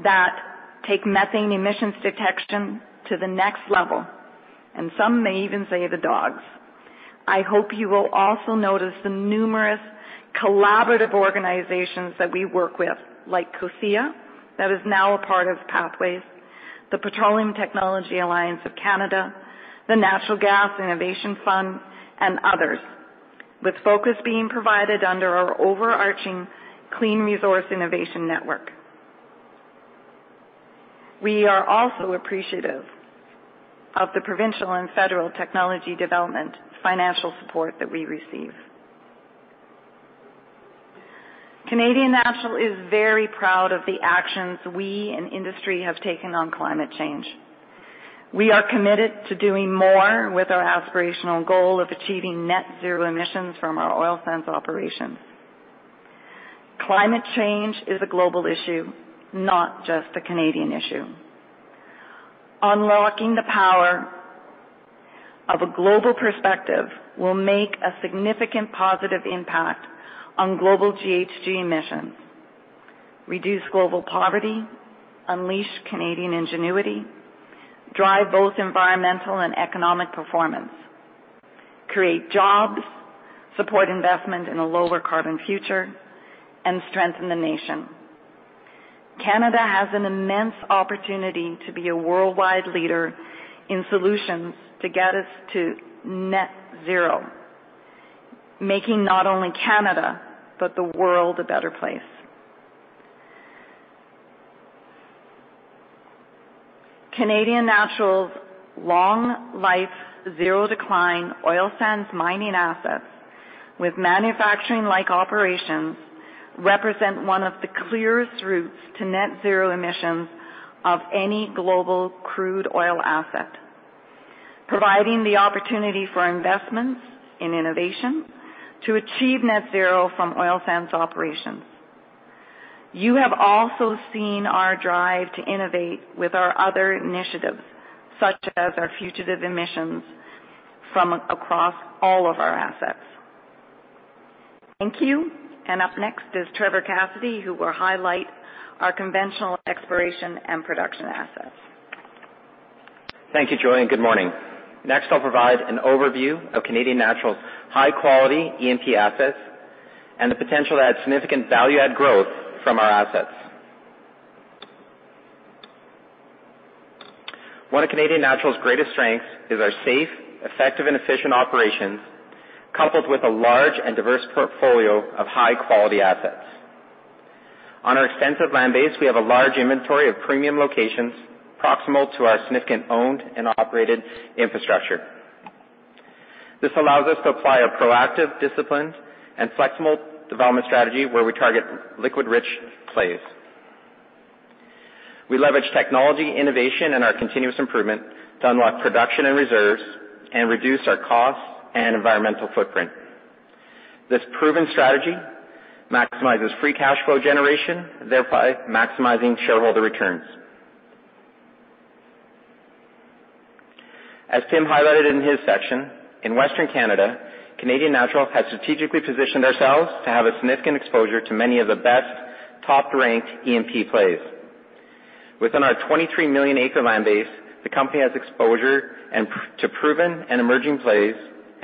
that take methane emissions detection to the next level. Some may even say the dogs. I hope you will also notice the numerous collaborative organizations that we work with, like COSIA, that is now a part of Pathways, Petroleum Technology Alliance Canada, the Natural Gas Innovation Fund, and others, with focus being provided under our overarching Clean Resource Innovation Network. We are also appreciative of the provincial and federal technology development financial support that we receive. Canadian Natural is very proud of the actions we and industry have taken on climate change. We are committed to doing more with our aspirational goal of achieving net zero emissions from our oil sands operations. Climate change is a global issue, not just a Canadian issue. Unlocking the power of a global perspective will make a significant positive impact on global GHG emissions, reduce global poverty, unleash Canadian ingenuity, drive both environmental and economic performance, create jobs, support investment in a lower carbon future, and strengthen the nation. Canada has an immense opportunity to be a worldwide leader in solutions to get us to net zero, making not only Canada, but the world a better place. Canadian Natural's long-life, zero-decline oil sands mining assets with manufacturing-like operations represent one of the clearest routes to net zero emissions of any global crude oil asset, providing the opportunity for investments in innovation to achieve net zero from oil sands operations. You have also seen our drive to innovate with our other initiatives, such as our fugitive emissions from across all of our assets. Thank you. Up next is Trevor Cassidy, who will highlight our conventional exploration and production assets. Thank you, Julie. Good morning. Next, I'll provide an overview of Canadian Natural's high-quality E&P assets and the potential to add significant value-add growth from our assets. One of Canadian Natural's greatest strengths is our safe, effective, and efficient operations, coupled with a large and diverse portfolio of high-quality assets. On our extensive land base, we have a large inventory of premium locations proximal to our significant owned and operated infrastructure. This allows us to apply a proactive, disciplined, and flexible development strategy where we target liquid-rich plays. We leverage technology, innovation, and our continuous improvement to unlock production and reserves and reduce our costs and environmental footprint. This proven strategy maximizes free cash flow generation, thereby maximizing shareholder returns. As Tim highlighted in his section, in Western Canada, Canadian Natural has strategically positioned ourselves to have a significant exposure to many of the best top-ranked E&P plays. Within our 23 million acre land base, the company has exposure to proven and emerging plays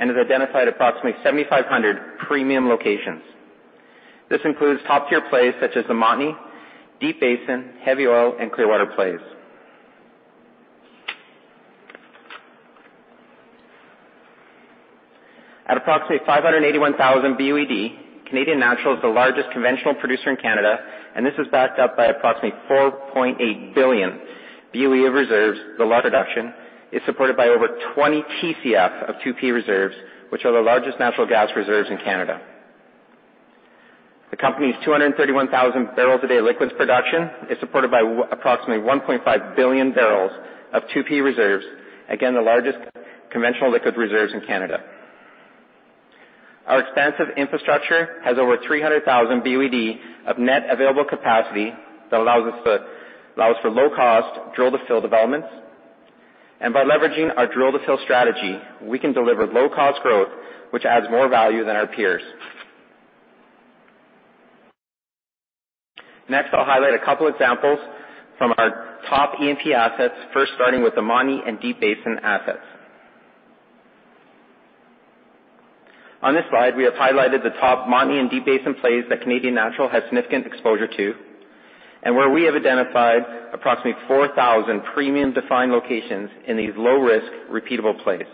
and has identified approximately 7,500 premium locations. This includes top-tier plays such as the Montney, Deep Basin, Heavy Oil, and Clearwater plays. At approximately 581,000 BOED, Canadian Natural is the largest conventional producer in Canada. This is backed up by approximately 4.8 billion BOE reserves. The production is supported by over 20 TCF of 2P reserves, which are the largest natural gas reserves in Canada. The company's 231,000 bbl a day liquids production is supported by approximately 1.5 billion bbls of 2P reserves, again, the largest conventional liquid reserves in Canada. Our expansive infrastructure has over 300,000 BOED of net available capacity that allows for low cost, drill to fill developments. By leveraging our drill to fill strategy, we can deliver low-cost growth, which adds more value than our peers. Next, I'll highlight a couple examples from our top E&P assets, first starting with the Montney and Deep Basin assets. On this slide, we have highlighted the top Montney and Deep Basin plays that Canadian Natural has significant exposure to, and where we have identified approximately 4,000 premium defined locations in these low-risk, repeatable plays.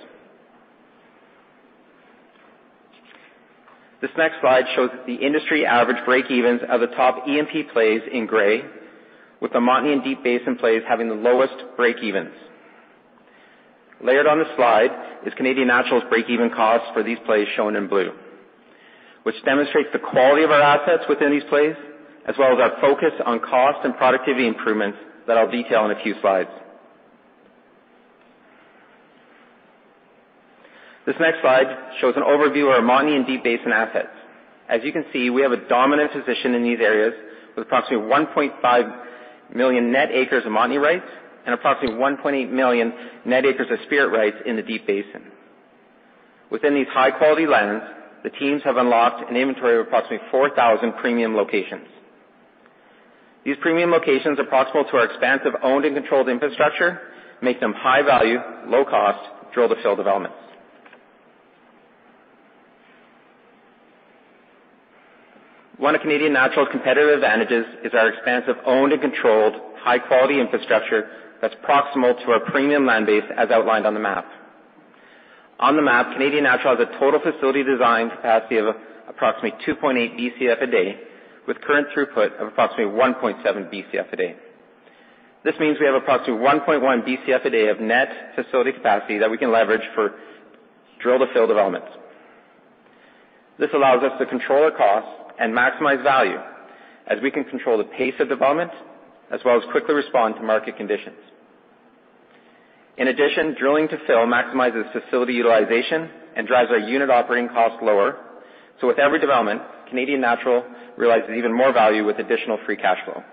This next slide shows the industry average break-evens of the top E&P plays in gray, with the Montney and Deep Basin plays having the lowest break-evens. Layered on this slide is Canadian Natural's break-even cost for these plays, shown in blue, which demonstrates the quality of our assets within these plays, as well as our focus on cost and productivity improvements that I'll detail in a few slides. This next slide shows an overview of our Montney and Deep Basin assets. As you can see, we have a dominant position in these areas with approximately 1.5 million net acres of Montney rights and approximately 1.8 million net acres of Spirit rights in the Deep Basin. Within these high-quality lands, the teams have unlocked an inventory of approximately 4,000 premium locations. These premium locations are proximal to our expansive owned and controlled infrastructure, make them high value, low cost, drill to fill developments. One of Canadian Natural's competitive advantages is our expansive owned and controlled high-quality infrastructure that's proximal to our premium land base, as outlined on the map. On the map, Canadian Natural has a total facility design capacity of approximately 2.8 BCF a day, with current throughput of approximately 1.7 BCF a day. This means we have approximately 1.1 BCF a day of net facility capacity that we can leverage for drill to fill developments. This allows us to control our costs and maximize value as we can control the pace of development, as well as quickly respond to market conditions. In addition, drilling to fill maximizes facility utilization and drives our unit operating costs lower. With every development, Canadian Natural realizes even more value with additional free cash flow.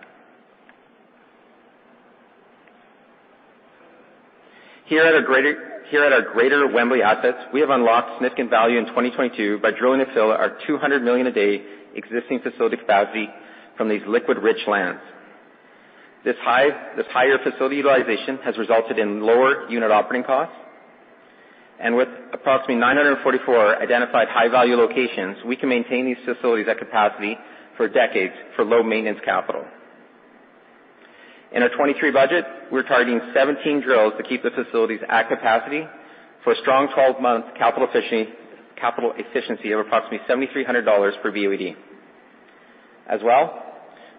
Here at our Greater Wembley assets, we have unlocked significant value in 2022 by drilling to fill our 200 million a day existing facility capacity from these liquid-rich lands. This higher facility utilization has resulted in lower unit operating costs. With approximately 944 identified high-value locations, we can maintain these facilities at capacity for decades for low maintenance capital. In our 2023 budget, we're targeting 17 drills to keep the facilities at capacity for a strong 12-month capital efficiency of approximately $7,300 per BOED. As well,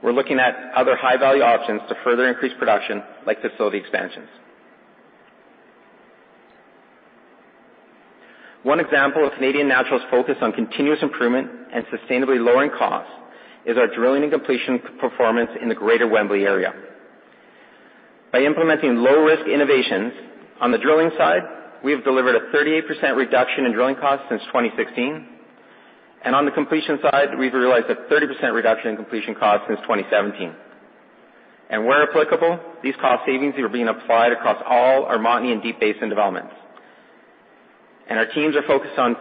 we're looking at other high-value options to further increase production, like facility expansions. One example of Canadian Natural's focus on continuous improvement and sustainably lowering costs is our drilling and completion performance in the Greater Wembley area. By implementing low-risk innovations on the drilling side, we have delivered a 38% reduction in drilling costs since 2016. On the completion side, we've realized a 30% reduction in completion costs since 2017. Where applicable, these cost savings are being applied across all our Montney and Deep Basin developments. Our teams are focused on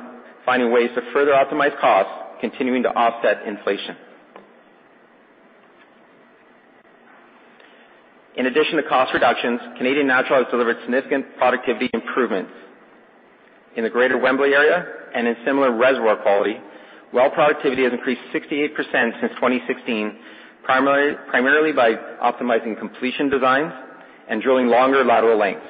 finding ways to further optimize costs, continuing to offset inflation. In addition to cost reductions, Canadian Natural has delivered significant productivity improvements. In the Greater Wembley area and in similar reservoir quality, well productivity has increased 68% since 2016, primarily by optimizing completion designs and drilling longer lateral lengths.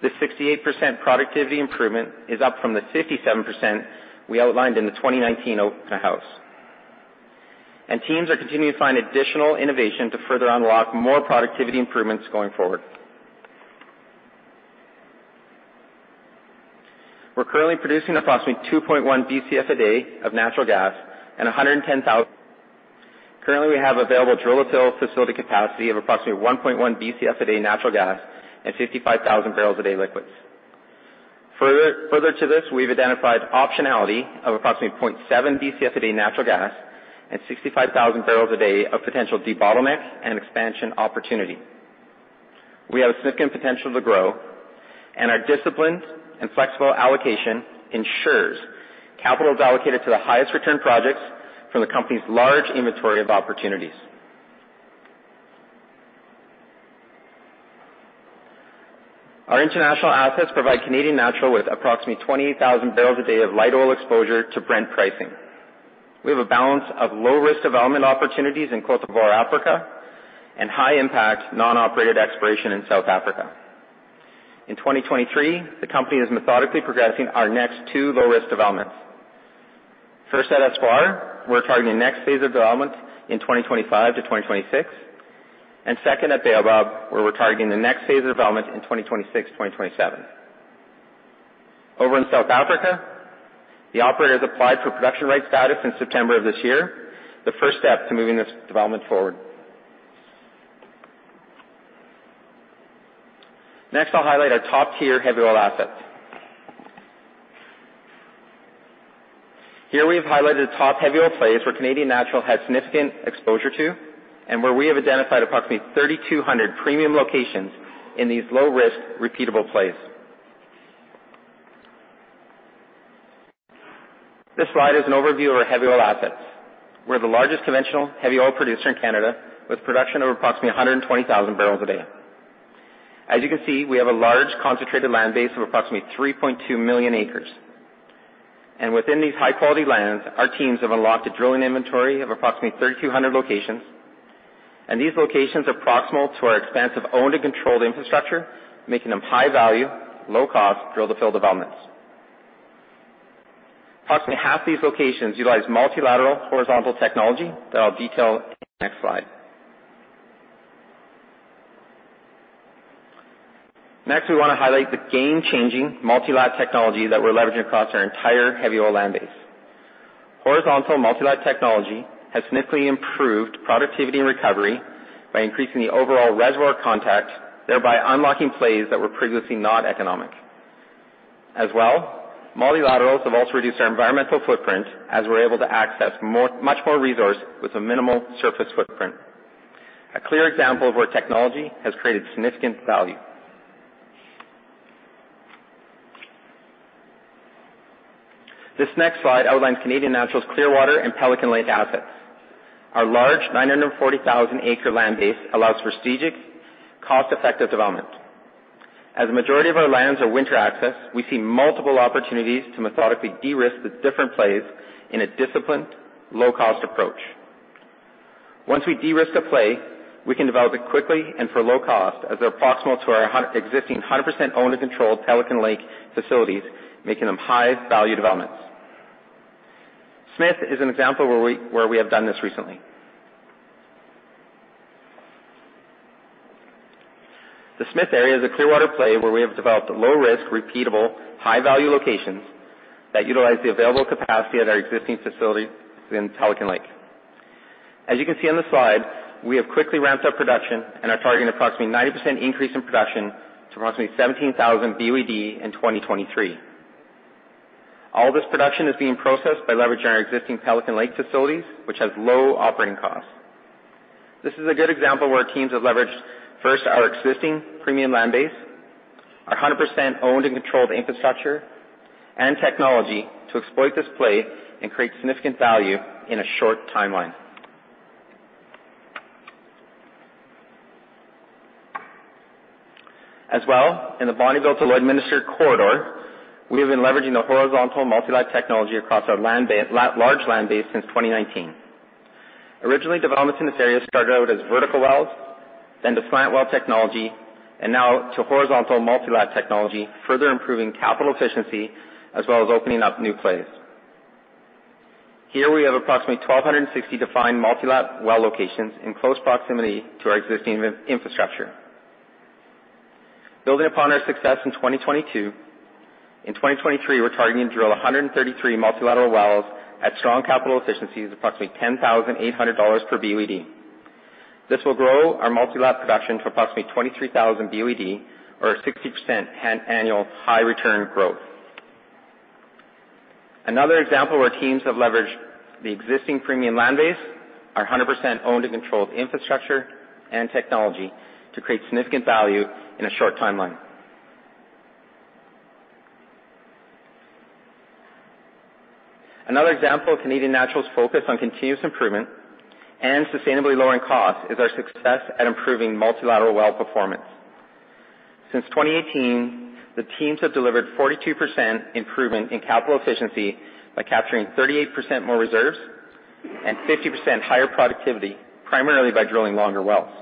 This 68% productivity improvement is up from the 57% we outlined in the 2019 open house. Teams are continuing to find additional innovation to further unlock more productivity improvements going forward. We're currently producing approximately 2.1 BCF a day of natural gas and 110,000. Currently, we have available drill to facility capacity of approximately 1.1 BCF a day natural gas and 55,000 bbl a day liquids. Further to this, we've identified optionality of approximately 0.7 BCF a day natural gas and 65,000 bbl a day of potential debottleneck and expansion opportunity. We have significant potential to grow. Our disciplined and flexible allocation ensures capital is allocated to the highest return projects from the company's large inventory of opportunities. Our international assets provide Canadian Natural with approximately 28,000 bbl a day of light oil exposure to Brent pricing. We have a balance of low-risk development opportunities in Cote d'Ivoire, Africa, and high-impact non-operated exploration in South Africa. In 2023, the company is methodically progressing our next two low-risk developments. First, at Estuary, we're targeting next phase of development in 2025-2026. Second at Baobab, where we're targeting the next phase of development in 2026-2027. Over in South Africa, the operator has applied for production right status in September of this year, the first step to moving this development forward. Next, I'll highlight our top-tier heavy oil assets. Here we've highlighted top heavy oil plays where Canadian Natural has significant exposure to and where we have identified approximately 3,200 premium locations in these low-risk repeatable plays. This slide is an overview of our heavy oil assets. We're the largest conventional heavy oil producer in Canada, with production of approximately 120,000 bbl a day. As you can see, we have a large concentrated land base of approximately 3.2 million acres. Within these high-quality lands, our teams have unlocked a drilling inventory of approximately 3,200 locations, and these locations are proximal to our expansive owned and controlled infrastructure, making them high value, low cost drill to fill developments. Approximately half these locations utilize multilateral horizontal technology that I'll detail in the next slide. We wanna highlight the game-changing multi-lat technology that we're leveraging across our entire heavy oil land base. Horizontal multi-lat technology has significantly improved productivity and recovery by increasing the overall reservoir contact, thereby unlocking plays that were previously not economic. Multilaterals have also reduced our environmental footprint as we're able to access more, much more resource with a minimal surface footprint. A clear example of where technology has created significant value. This next slide outlines Canadian Natural's Clearwater and Pelican Lake assets. Our large 940,000 acres land base allows for strategic cost-effective development. A majority of our lands are winter access, we see multiple opportunities to methodically de-risk the different plays in a disciplined low-cost approach. Once we de-risk a play, we can develop it quickly and for low cost, as they're proximal to our existing 100% owner controlled Pelican Lake facilities, making them high-value developments. Smith is an example where we have done this recently. The Smith area is a Clearwater play where we have developed low-risk, repeatable, high-value locations that utilize the available capacity at our existing facility within Pelican Lake. As you can see on the slide, we have quickly ramped up production and are targeting approximately 90% increase in production to approximately 17,000 BOED in 2023. All this production is being processed by leveraging our existing Pelican Lake facilities, which has low operating costs. This is a good example where our teams have leveraged first our existing premium land base, our 100% owned and controlled infrastructure, and technology to exploit this play and create significant value in a short timeline. As well, in the Bonnyville to Lloydminster corridor, we have been leveraging the horizontal multi-lat technology across our large land base since 2019. Originally, developments in this area started out as vertical wells, then to slant well technology, and now to horizontal multi-lat technology, further improving capital efficiency as well as opening up new plays. Here, we have approximately 1,260 defined multi-lat well locations in close proximity to our existing infrastructure. Building upon our success in 2022, in 2023, we're targeting to drill 133 multilateral wells at strong capital efficiencies, approximately CAD 10,800 per BOED. This will grow our multi-well production to approximately 23,000 BOED or a 60% annual high return growth. Another example where teams have leveraged the existing premium land base are 100% owned and controlled infrastructure and technology to create significant value in a short timeline. Another example of Canadian Natural's focus on continuous improvement and sustainably lowering costs is our success at improving multilateral well performance. Since 2018, the teams have delivered 42% improvement in capital efficiency by capturing 38% more reserves and 50% higher productivity, primarily by drilling longer wells.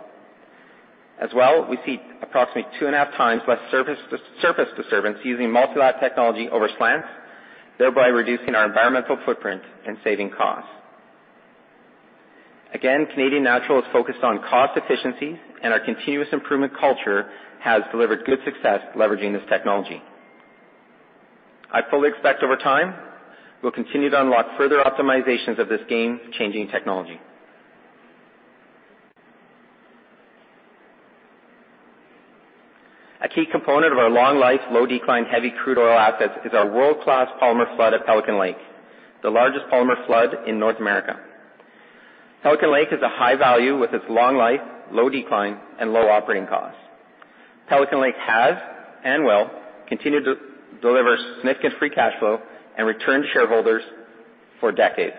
As well, we see approximately 2.5x less surface disturbance using multi-well technology over slants, thereby reducing our environmental footprint and saving costs. Again, Canadian Natural is focused on cost efficiency, and our continuous improvement culture has delivered good success leveraging this technology. I fully expect over time, we'll continue to unlock further optimizations of this game-changing technology. A key component of our long life, low decline, heavy crude oil assets is our world-class polymer flood at Pelican Lake, the largest polymer flood in North America. Pelican Lake is a high value with its long life, low decline, and low operating costs. Pelican Lake has and will continue to deliver significant free cash flow and return to shareholders for decades.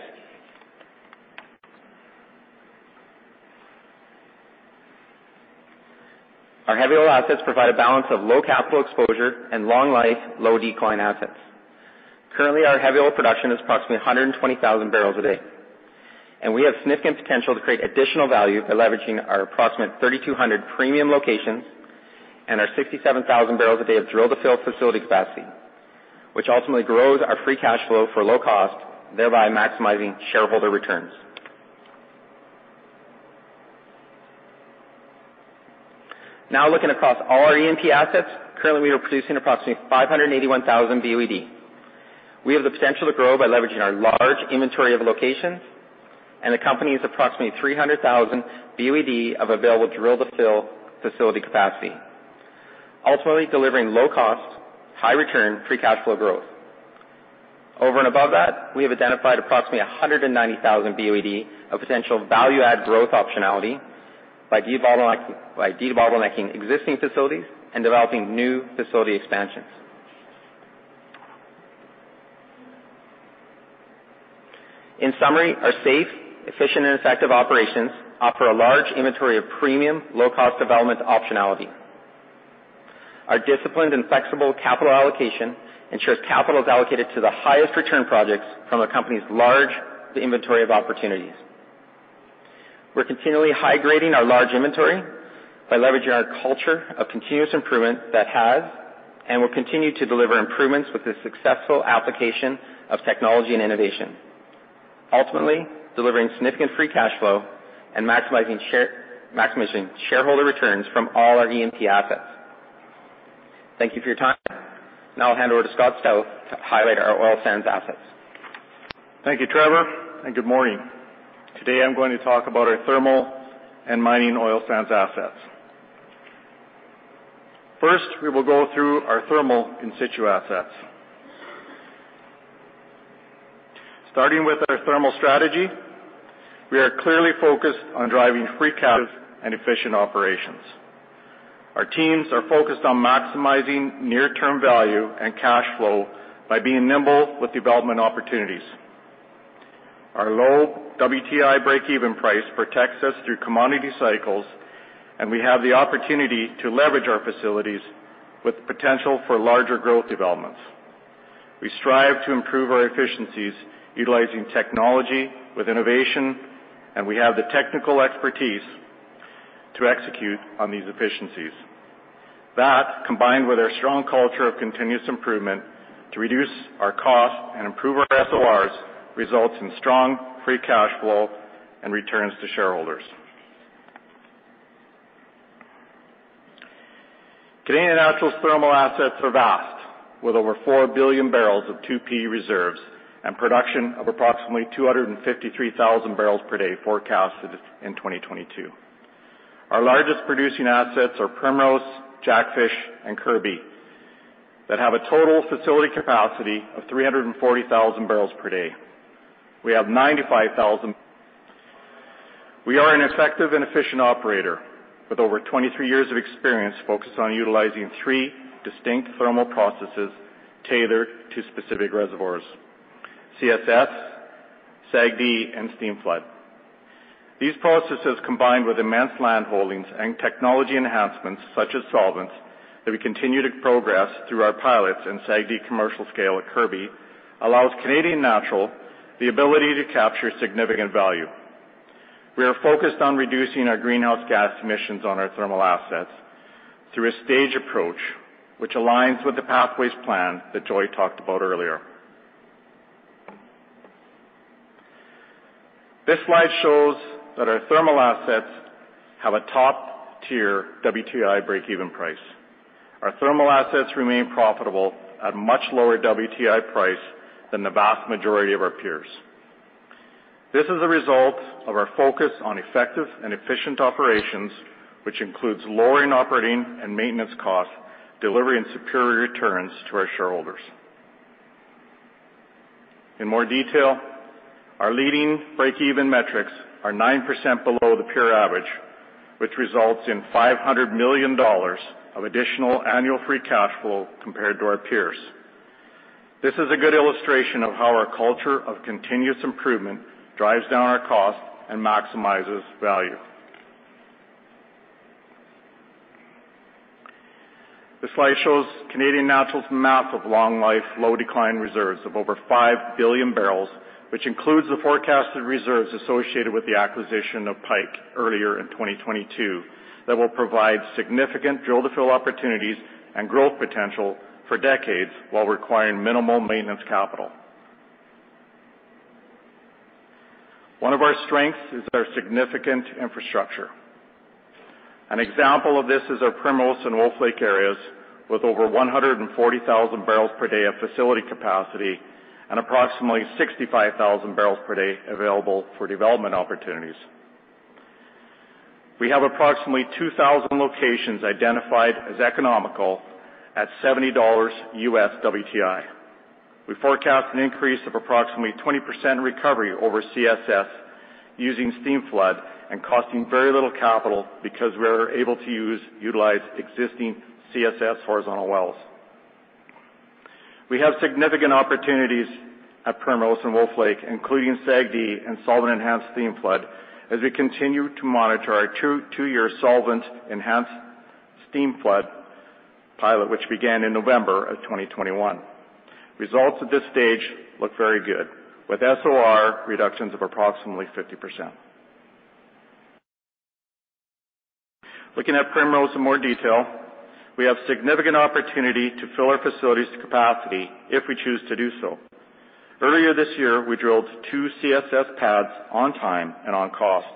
Our heavy oil assets provide a balance of low capital exposure and long life, low decline assets. Currently, our heavy oil production is approximately 120,000 bbl a day, and we have significant potential to create additional value by leveraging our approximate 3,200 premium locations and our 67,000 bbl a day of drill to fill facility capacity, which ultimately grows our free cash flow for low cost, thereby maximizing shareholder returns. Now, looking across all our E&P assets, currently we are producing approximately 581,000 BOED. We have the potential to grow by leveraging our large inventory of locations, and the company has approximately 300,000 BOED of available drill to fill facility capacity, ultimately delivering low cost, high return free cash flow growth. Over and above that, we have identified approximately 190,000 BOED of potential value-add growth optionality by de-bottlenecking existing facilities and developing new facility expansions. In summary, our safe, efficient, and effective operations offer a large inventory of premium low cost development optionality. Our disciplined and flexible capital allocation ensures capital is allocated to the highest return projects from a company's large inventory of opportunities. We're continually high-grading our large inventory by leveraging our culture of continuous improvement that has and will continue to deliver improvements with the successful application of technology and innovation, ultimately delivering significant free cash flow and maximizing shareholder returns from all our E&P assets. Thank you for your time. Now I'll hand over to Scott Stauth to highlight our oil sands assets. Thank you, Trevor, and good morning. Today, I'm going to talk about our thermal and mining oil sands assets. First, we will go through our thermal in situ assets. Starting with our thermal strategy, we are clearly focused on driving free cash and efficient operations. Our teams are focused on maximizing near-term value and cash flow by being nimble with development opportunities. Our low WTI break-even price protects us through commodity cycles, and we have the opportunity to leverage our facilities with potential for larger growth developments. We strive to improve our efficiencies utilizing technology with innovation, and we have the technical expertise to execute on these efficiencies. That, combined with our strong culture of continuous improvement to reduce our cost and improve our SORs, results in strong free cash flow and returns to shareholders. Canadian Natural's thermal assets are vast, with over 4 billion bbls of 2P reserves and production of approximately 253,000 bbl per day forecasted in 2022. Our largest producing assets are Primrose, Jackfish, and Kirby that have a total facility capacity of 340,000 bbl per day. We have 95,000. We are an effective and efficient operator with over 23 years of experience focused on utilizing three distinct thermal processes tailored to specific reservoirs, CSS, SAGD, and steam flood. These processes, combined with immense landholdings and technology enhancements such as solvents, that we continue to progress through our pilots and SAGD commercial scale at Kirby, allows Canadian Natural the ability to capture significant value. We are focused on reducing our greenhouse gas emissions on our thermal assets through a stage approach which aligns with the Pathways plan that Joy talked about earlier. This slide shows that our thermal assets have a top-tier WTI breakeven price. Our thermal assets remain profitable at a much lower WTI price than the vast majority of our peers. This is a result of our focus on effective and efficient operations, which includes lowering operating and maintenance costs, delivering superior returns to our shareholders. In more detail, our leading breakeven metrics are 9% below the peer average, which results in 500 million dollars of additional annual free cash flow compared to our peers. This is a good illustration of how our culture of continuous improvement drives down our costs and maximizes value. This slide shows Canadian Natural's map of long-life, low-decline reserves of over 5 billion bbls, which includes the forecasted reserves associated with the acquisition of Pike earlier in 2022, that will provide significant drill-to-fill opportunities and growth potential for decades while requiring minimal maintenance capital. One of our strengths is our significant infrastructure. An example of this is our Primrose and Wolf Lake areas, with over 140,000 bbl per day of facility capacity and approximately 65,000 bbl per day available for development opportunities. We have approximately 2,000 locations identified as economical at $70 U.S. WTI. We forecast an increase of approximately 20% recovery over CSS using steam flood and costing very little capital because we are able to utilize existing CSS horizontal wells. We have significant opportunities at Primrose and Wolf Lake, including SAGD and solvent enhanced steam flood, as we continue to monitor our two-year solvent enhanced steam flood pilot, which began in November of 2021. Results at this stage look very good, with SOR reductions of approximately 50%. Looking at Primrose in more detail, we have significant opportunity to fill our facilities to capacity if we choose to do so. Earlier this year, we drilled 2 CSS pads on time and on cost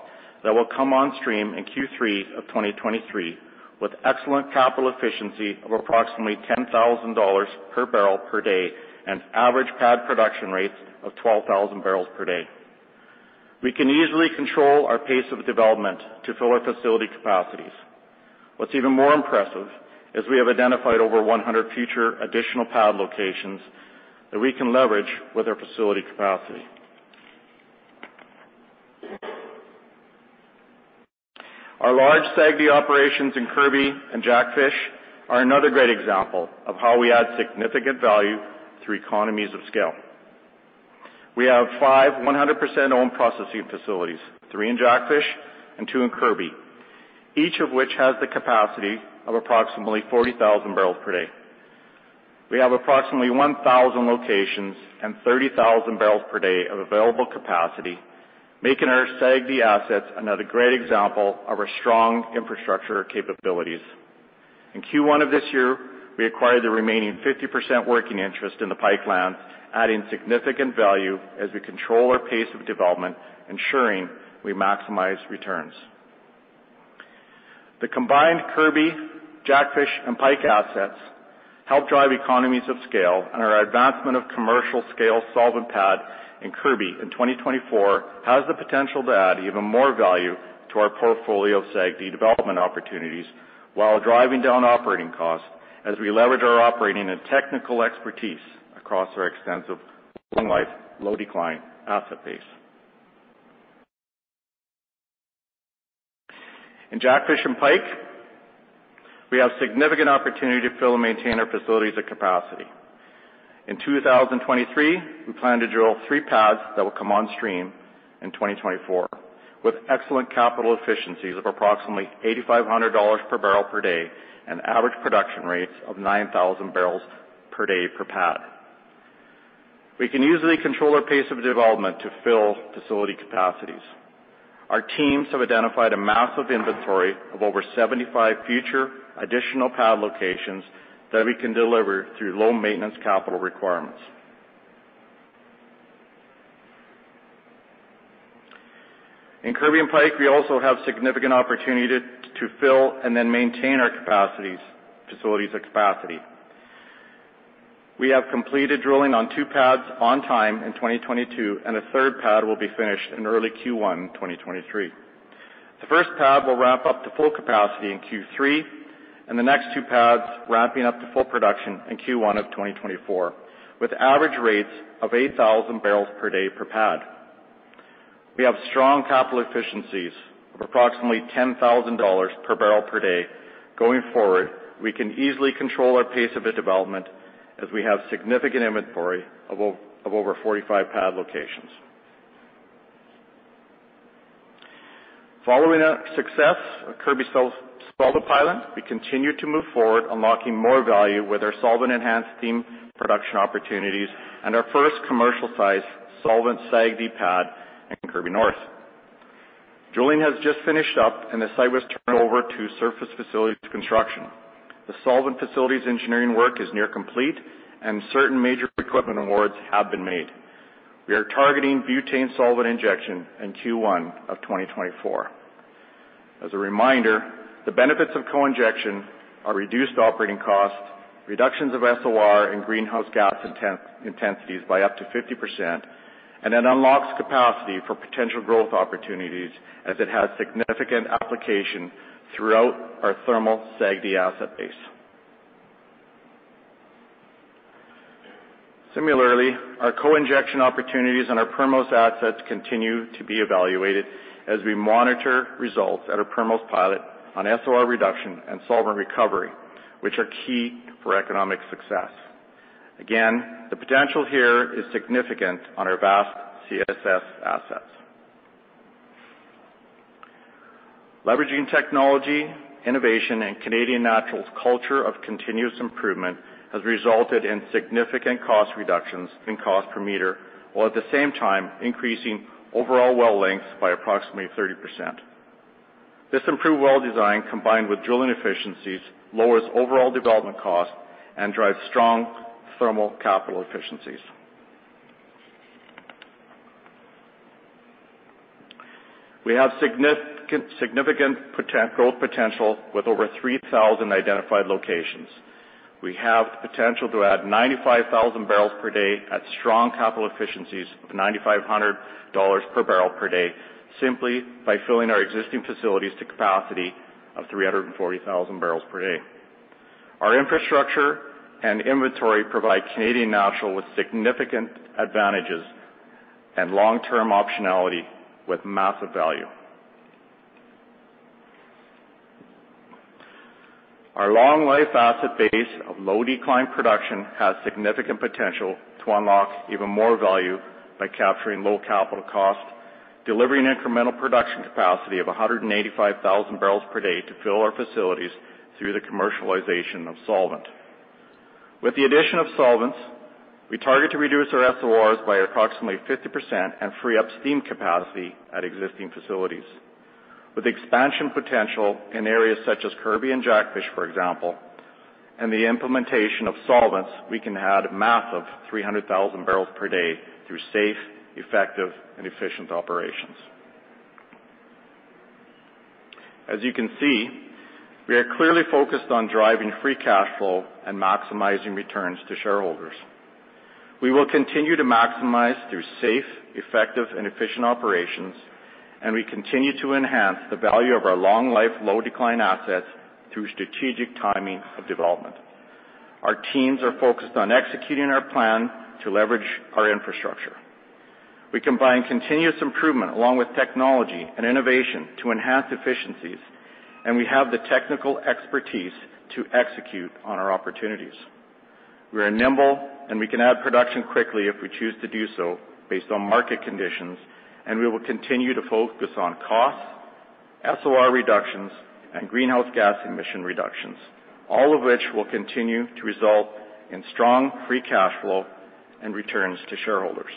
that will come on stream in Q3 of 2023, with excellent capital efficiency of approximately $10,000 per barrel per day and average pad production rates of 12,000 bbl per day. We can easily control our pace of development to fill our facility capacities. What's even more impressive is we have identified over 100 future additional pad locations that we can leverage with our facility capacity. Our large SAGD operations in Kirby and Jackfish are another great example of how we add significant value through economies of scale. We have five 100% owned processing facilities, three in Jackfish and two in Kirby, each of which has the capacity of approximately 40,000 bbl per day. We have approximately 1,000 locations and 30,000 bbl per day of available capacity, making our SAGD assets another great example of our strong infrastructure capabilities. In Q1 of this year, we acquired the remaining 50% working interest in the Pike lands, adding significant value as we control our pace of development, ensuring we maximize returns. The combined Kirby, Jackfish, and Pike assets help drive economies of scale. Our advancement of commercial-scale solvent pads in Kirby in 2024 has the potential to add even more value to our portfolio of SAGD development opportunities while driving down operating costs as we leverage our operating and technical expertise across our extensive long-life, low-decline asset base. In Jackfish and Pike, we have significant opportunity to fill and maintain our facilities at capacity. In 2023, we plan to drill three pads that will come on stream in 2024, with excellent capital efficiencies of approximately CAD 8,500 per barrel per day and average production rates of 9,000 bbl per day per pad. We can easily control our pace of development to fill facility capacities. Our teams have identified a massive inventory of over 75 future additional pad locations that we can deliver through low maintenance capital requirements. In Kirby and Pike, we also have significant opportunity to fill and then maintain our facilities at capacity. We have completed drilling on two pads on time in 2022, and a third pad will be finished in early Q1 2023. The first pad will ramp up to full capacity in Q3, and the next two pads ramping up to full production in Q1 2024, with average rates of 8,000 bbl per day per pad. We have strong capital efficiencies of approximately $10,000 per barrel per day. Going forward, we can easily control our pace of the development as we have significant inventory of over 45 pad locations. Following the success of Kirby's solvent pilot, we continue to move forward, unlocking more value with our solvent enhanced steam production opportunities and our first commercial-size solvent SAGD pad in Kirby North. Drilling has just finished up and the site was turned over to surface facilities construction. The solvent facilities engineering work is near complete and certain major equipment awards have been made. We are targeting butane solvent injection in Q1 of 2024. As a reminder, the benefits of co-injection are reduced operating costs, reductions of SOR and greenhouse gas intensities by up to 50%, and it unlocks capacity for potential growth opportunities as it has significant application throughout our thermal SAGD asset base. Similarly, our co-injection opportunities on our Primrose assets continue to be evaluated as we monitor results at our Primrose pilot on SOR reduction and solvent recovery, which are key for economic success. The potential here is significant on our vast CSS assets. Leveraging technology, innovation, and Canadian Natural's culture of continuous improvement has resulted in significant cost reductions in cost per meter, while at the same time increasing overall well lengths by approximately 30%. This improved well design, combined with drilling efficiencies, lowers overall development costs and drives strong thermal capital efficiencies. We have significant growth potential with over 3,000 identified locations. We have the potential to add 95,000 bbl per day at strong capital efficiencies of 9,500 dollars per barrel per day, simply by filling our existing facilities to capacity of 340,000 bbl per day. Our infrastructure and inventory provide Canadian Natural with significant advantages and long-term optionality with massive value. Our long life asset base of low decline production has significant potential to unlock even more value by capturing low capital costs, delivering incremental production capacity of 185,000 bbl per day to fill our facilities through the commercialization of solvent. With the addition of solvents, we target to reduce our SORs by approximately 50% and free up steam capacity at existing facilities. With expansion potential in areas such as Kirby and Jackfish, for example, and the implementation of solvents, we can add a massive 300,000 bbl per day through safe, effective, and efficient operations. As you can see, we are clearly focused on driving free cash flow and maximizing returns to shareholders. We will continue to maximize through safe, effective, and efficient operations. We continue to enhance the value of our long life, low decline assets through strategic timing of development. Our teams are focused on executing our plan to leverage our infrastructure. We combine continuous improvement along with technology and innovation to enhance efficiencies. We have the technical expertise to execute on our opportunities. We are nimble. We can add production quickly if we choose to do so based on market conditions. We will continue to focus on costs, SOR reductions, and greenhouse gas emission reductions, all of which will continue to result in strong free cash flow and returns to shareholders.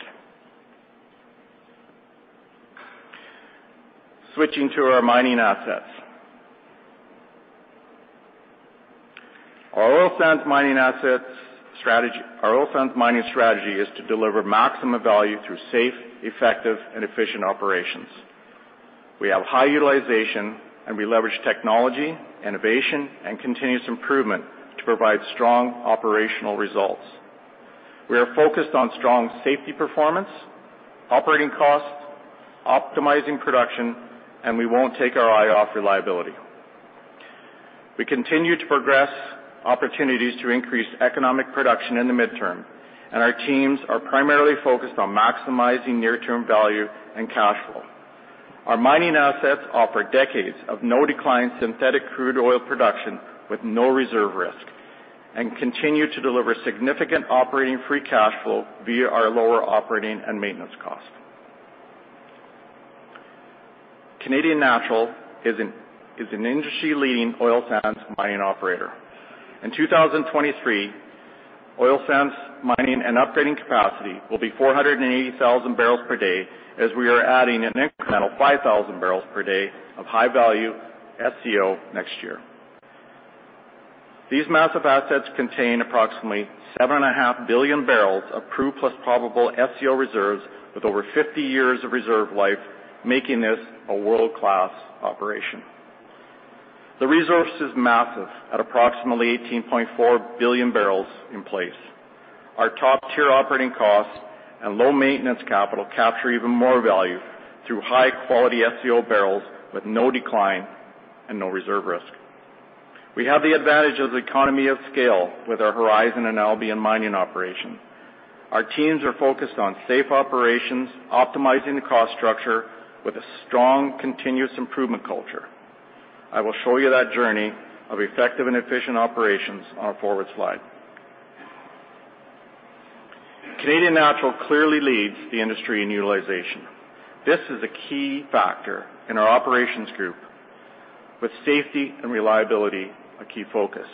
Switching to our mining assets. Our oil sands mining strategy is to deliver maximum value through safe, effective, and efficient operations. We have high utilization. We leverage technology, innovation, and continuous improvement to provide strong operational results. We are focused on strong safety performance, operating costs, optimizing production. We won't take our eye off reliability. We continue to progress opportunities to increase economic production in the midterm, our teams are primarily focused on maximizing near-term value and cash flow. Our mining assets offer decades of no-decline synthetic crude oil production with no reserve risk and continue to deliver significant operating free cash flow via our lower operating and maintenance costs. Canadian Natural is an industry-leading oil sands mining operator. In 2023, oil sands mining and upgrading capacity will be 480,000 bbl per day as we are adding an incremental 5,000 bbl per day of high-value SCO next year. These massive assets contain approximately 7.5 billion bbls of proved plus probable SCO reserves with over 50 years of reserve life, making this a world-class operation. The resource is massive at approximately 18.4 billion bbls in place. Our top-tier operating costs and low maintenance capital capture even more value through high-quality SCO barrels with no decline and no reserve risk. We have the advantage of economy of scale with our Horizon and Albian mining operation. Our teams are focused on safe operations, optimizing the cost structure with a strong continuous improvement culture. I will show you that journey of effective and efficient operations on a forward slide. Canadian Natural clearly leads the industry in utilization. This is a key factor in our operations group. With safety and reliability a key focus.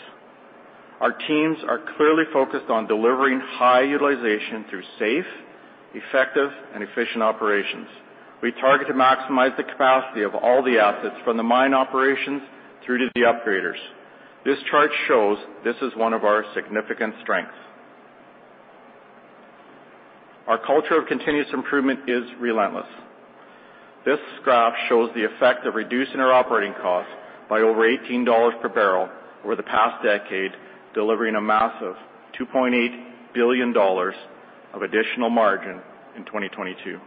Our teams are clearly focused on delivering high utilization through safe, effective, and efficient operations. We target to maximize the capacity of all the assets from the mine operations through to the upgraders. This chart shows this is one of our significant strengths. Our culture of continuous improvement is relentless. This graph shows the effect of reducing our operating costs by over $18 per barrel over the past decade, delivering a massive $2.8 billion of additional margin in 2022.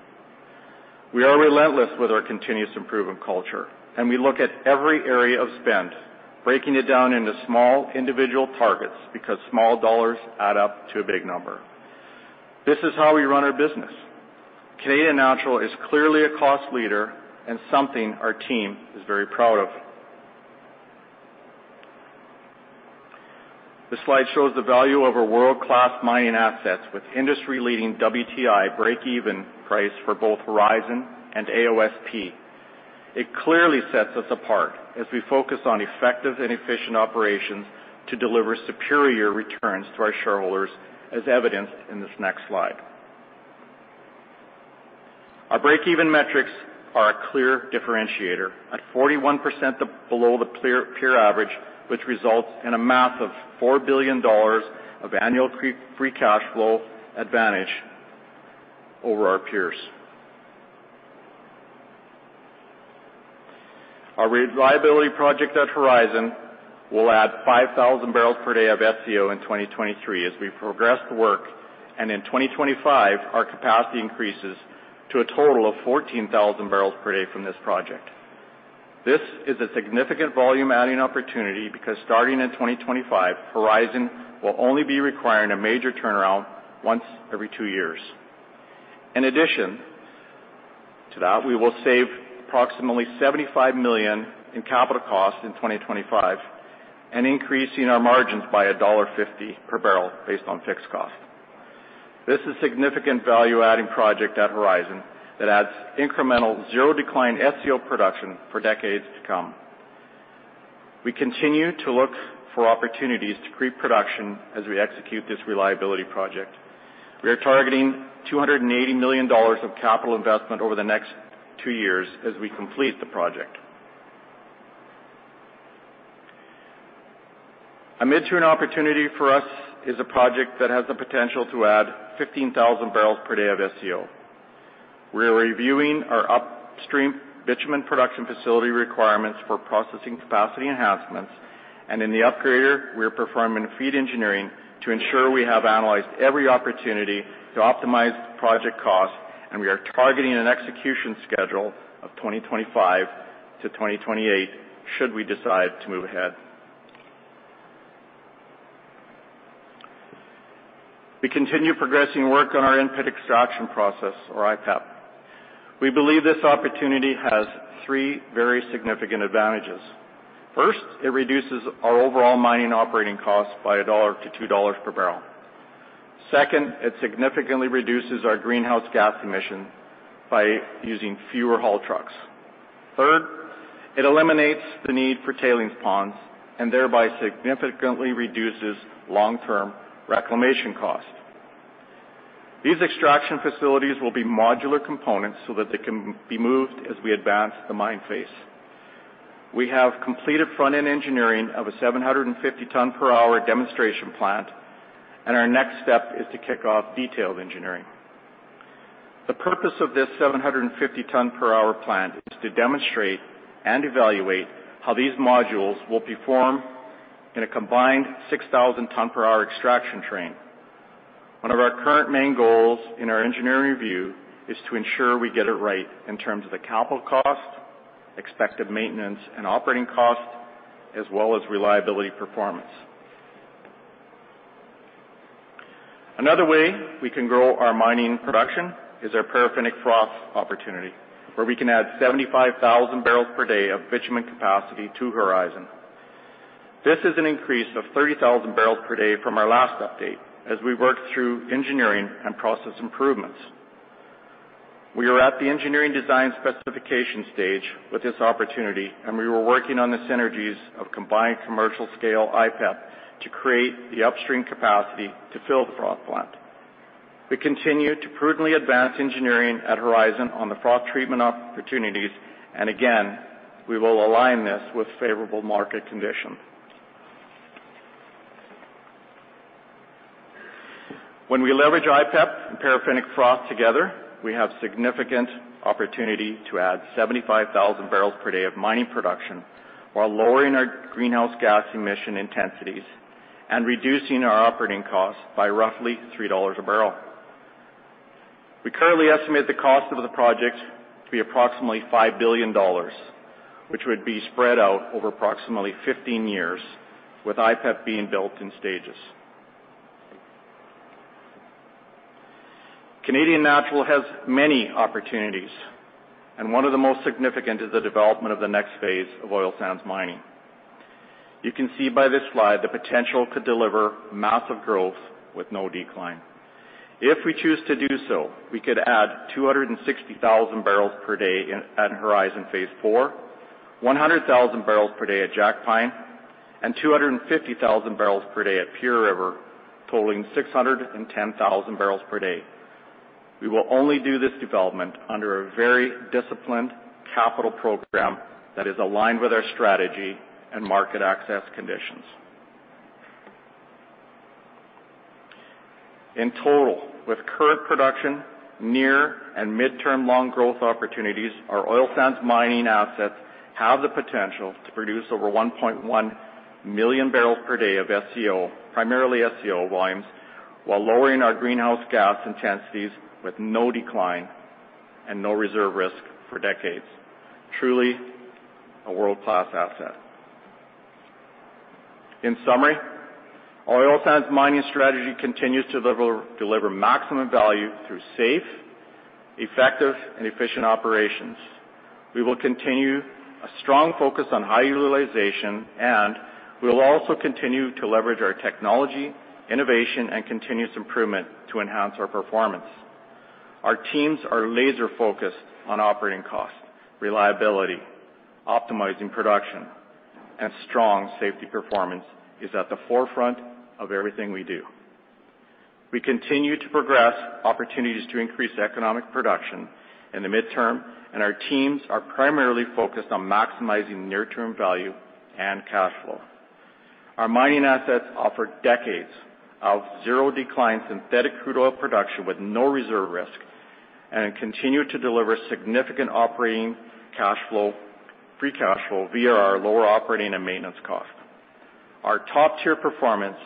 We are relentless with our continuous improvement culture, we look at every area of spend, breaking it down into small individual targets, because small dollars add up to a big number. This is how we run our business. Canadian Natural is clearly a cost leader and something our team is very proud of. The slide shows the value of our world-class mining assets with industry-leading WTI breakeven price for both Horizon and AOSP. It clearly sets us apart as we focus on effective and efficient operations to deliver superior returns to our shareholders, as evidenced in this next slide. Our breakeven metrics are a clear differentiator. At 41% below the peer average, which results in a mass of 4 billion dollars of annual free cash flow advantage over our peers. Our reliability project at Horizon will add 5,000 bbl per day of SCO in 2023 as we progress the work. In 2025, our capacity increases to a total of 14,000 bbl per day from this project. This is a significant volume adding opportunity because starting in 2025, Horizon will only be requiring a major turnaround once every two years. In addition to that, we will save approximately 75 million in capital costs in 2025 and increasing our margins by dollar 1.50 per barrel based on fixed cost. This is significant value-adding project at Horizon that adds incremental zero decline SCO production for decades to come. We continue to look for opportunities to create production as we execute this reliability project. We are targeting 280 million dollars of capital investment over the next two years as we complete the project. A mid-term opportunity for us is a project that has the potential to add 15,000 bbl per day of SCO. We're reviewing our upstream bitumen production facility requirements for processing capacity enhancements, and in the upgrader, we are performing feed engineering to ensure we have analyzed every opportunity to optimize project costs, and we are targeting an execution schedule of 2025-2028 should we decide to move ahead. We continue progressing work on our in-pit extraction process or IPEP. We believe this opportunity has three very significant advantages. First, it reduces our overall mining operating costs by 1-2 dollars per barrel. Second, it significantly reduces our greenhouse gas emission by using fewer haul trucks. Third, it eliminates the need for tailings ponds and thereby significantly reduces long-term reclamation costs. These extraction facilities will be modular components so that they can be moved as we advance the mine face. We have completed front-end engineering of a 750 ton per hour demonstration plant. Our next step is to kick off detailed engineering. The purpose of this 750 ton per hour plant is to demonstrate and evaluate how these modules will perform in a combined 6,000 ton per hour extraction train. One of our current main goals in our engineering review is to ensure we get it right in terms of the capital cost, expected maintenance and operating costs, as well as reliability performance. Another way we can grow our mining production is our paraffinic froth opportunity, where we can add 75,000 bbl per day of bitumen capacity to Horizon. This is an increase of 30,000 bbl per day from our last update as we worked through engineering and process improvements. We are at the engineering design specification stage with this opportunity, and we were working on the synergies of combined commercial scale IPEP to create the upstream capacity to fill the froth plant. We continue to prudently advance engineering at Horizon on the froth treatment opportunities and again, we will align this with favorable market conditions. When we leverage IPEP and paraffinic froth together, we have significant opportunity to add 75,000 bbl per day of mining production while lowering our greenhouse gas emission intensities and reducing our operating costs by roughly 3 dollars a barrel. We currently estimate the cost of the project to be approximately 5 billion dollars, which would be spread out over approximately 15 years, with IPEP being built in stages. Canadian Natural has many opportunities, and one of the most significant is the development of the next phase of oil sands mining. You can see by this slide the potential to deliver massive growth with no decline. If we choose to do so, we could add 260,000 bbl per day at Horizon Phase 4, 100,000 bbl per day at Jackpine, and 250,000 bbl per day at Peace River, totaling 610,000 bbl per day. We will only do this development under a very disciplined capital program that is aligned with our strategy and market access conditions. In total, with current production, near and midterm long growth opportunities, our oil sands mining assets have the potential to produce over 1.1 million bbls per day of SCO, primarily SCO volumes, while lowering our GHG intensities with no decline and no reserve risk for decades. Truly, a world-class asset. In summary, our oil sands mining strategy continues to deliver maximum value through safe, effective, and efficient operations. We will continue a strong focus on high utilization, and we will also continue to leverage our technology, innovation, and continuous improvement to enhance our performance. Our teams are laser-focused on operating costs, reliability, optimizing production, and strong safety performance is at the forefront of everything we do. We continue to progress opportunities to increase economic production in the midterm, and our teams are primarily focused on maximizing near-term value and cash flow. Our mining assets offer decades of zero decline synthetic crude oil production with no reserve risk and continue to deliver significant operating cash flow, free cash flow via our lower operating and maintenance costs. Our top-tier performance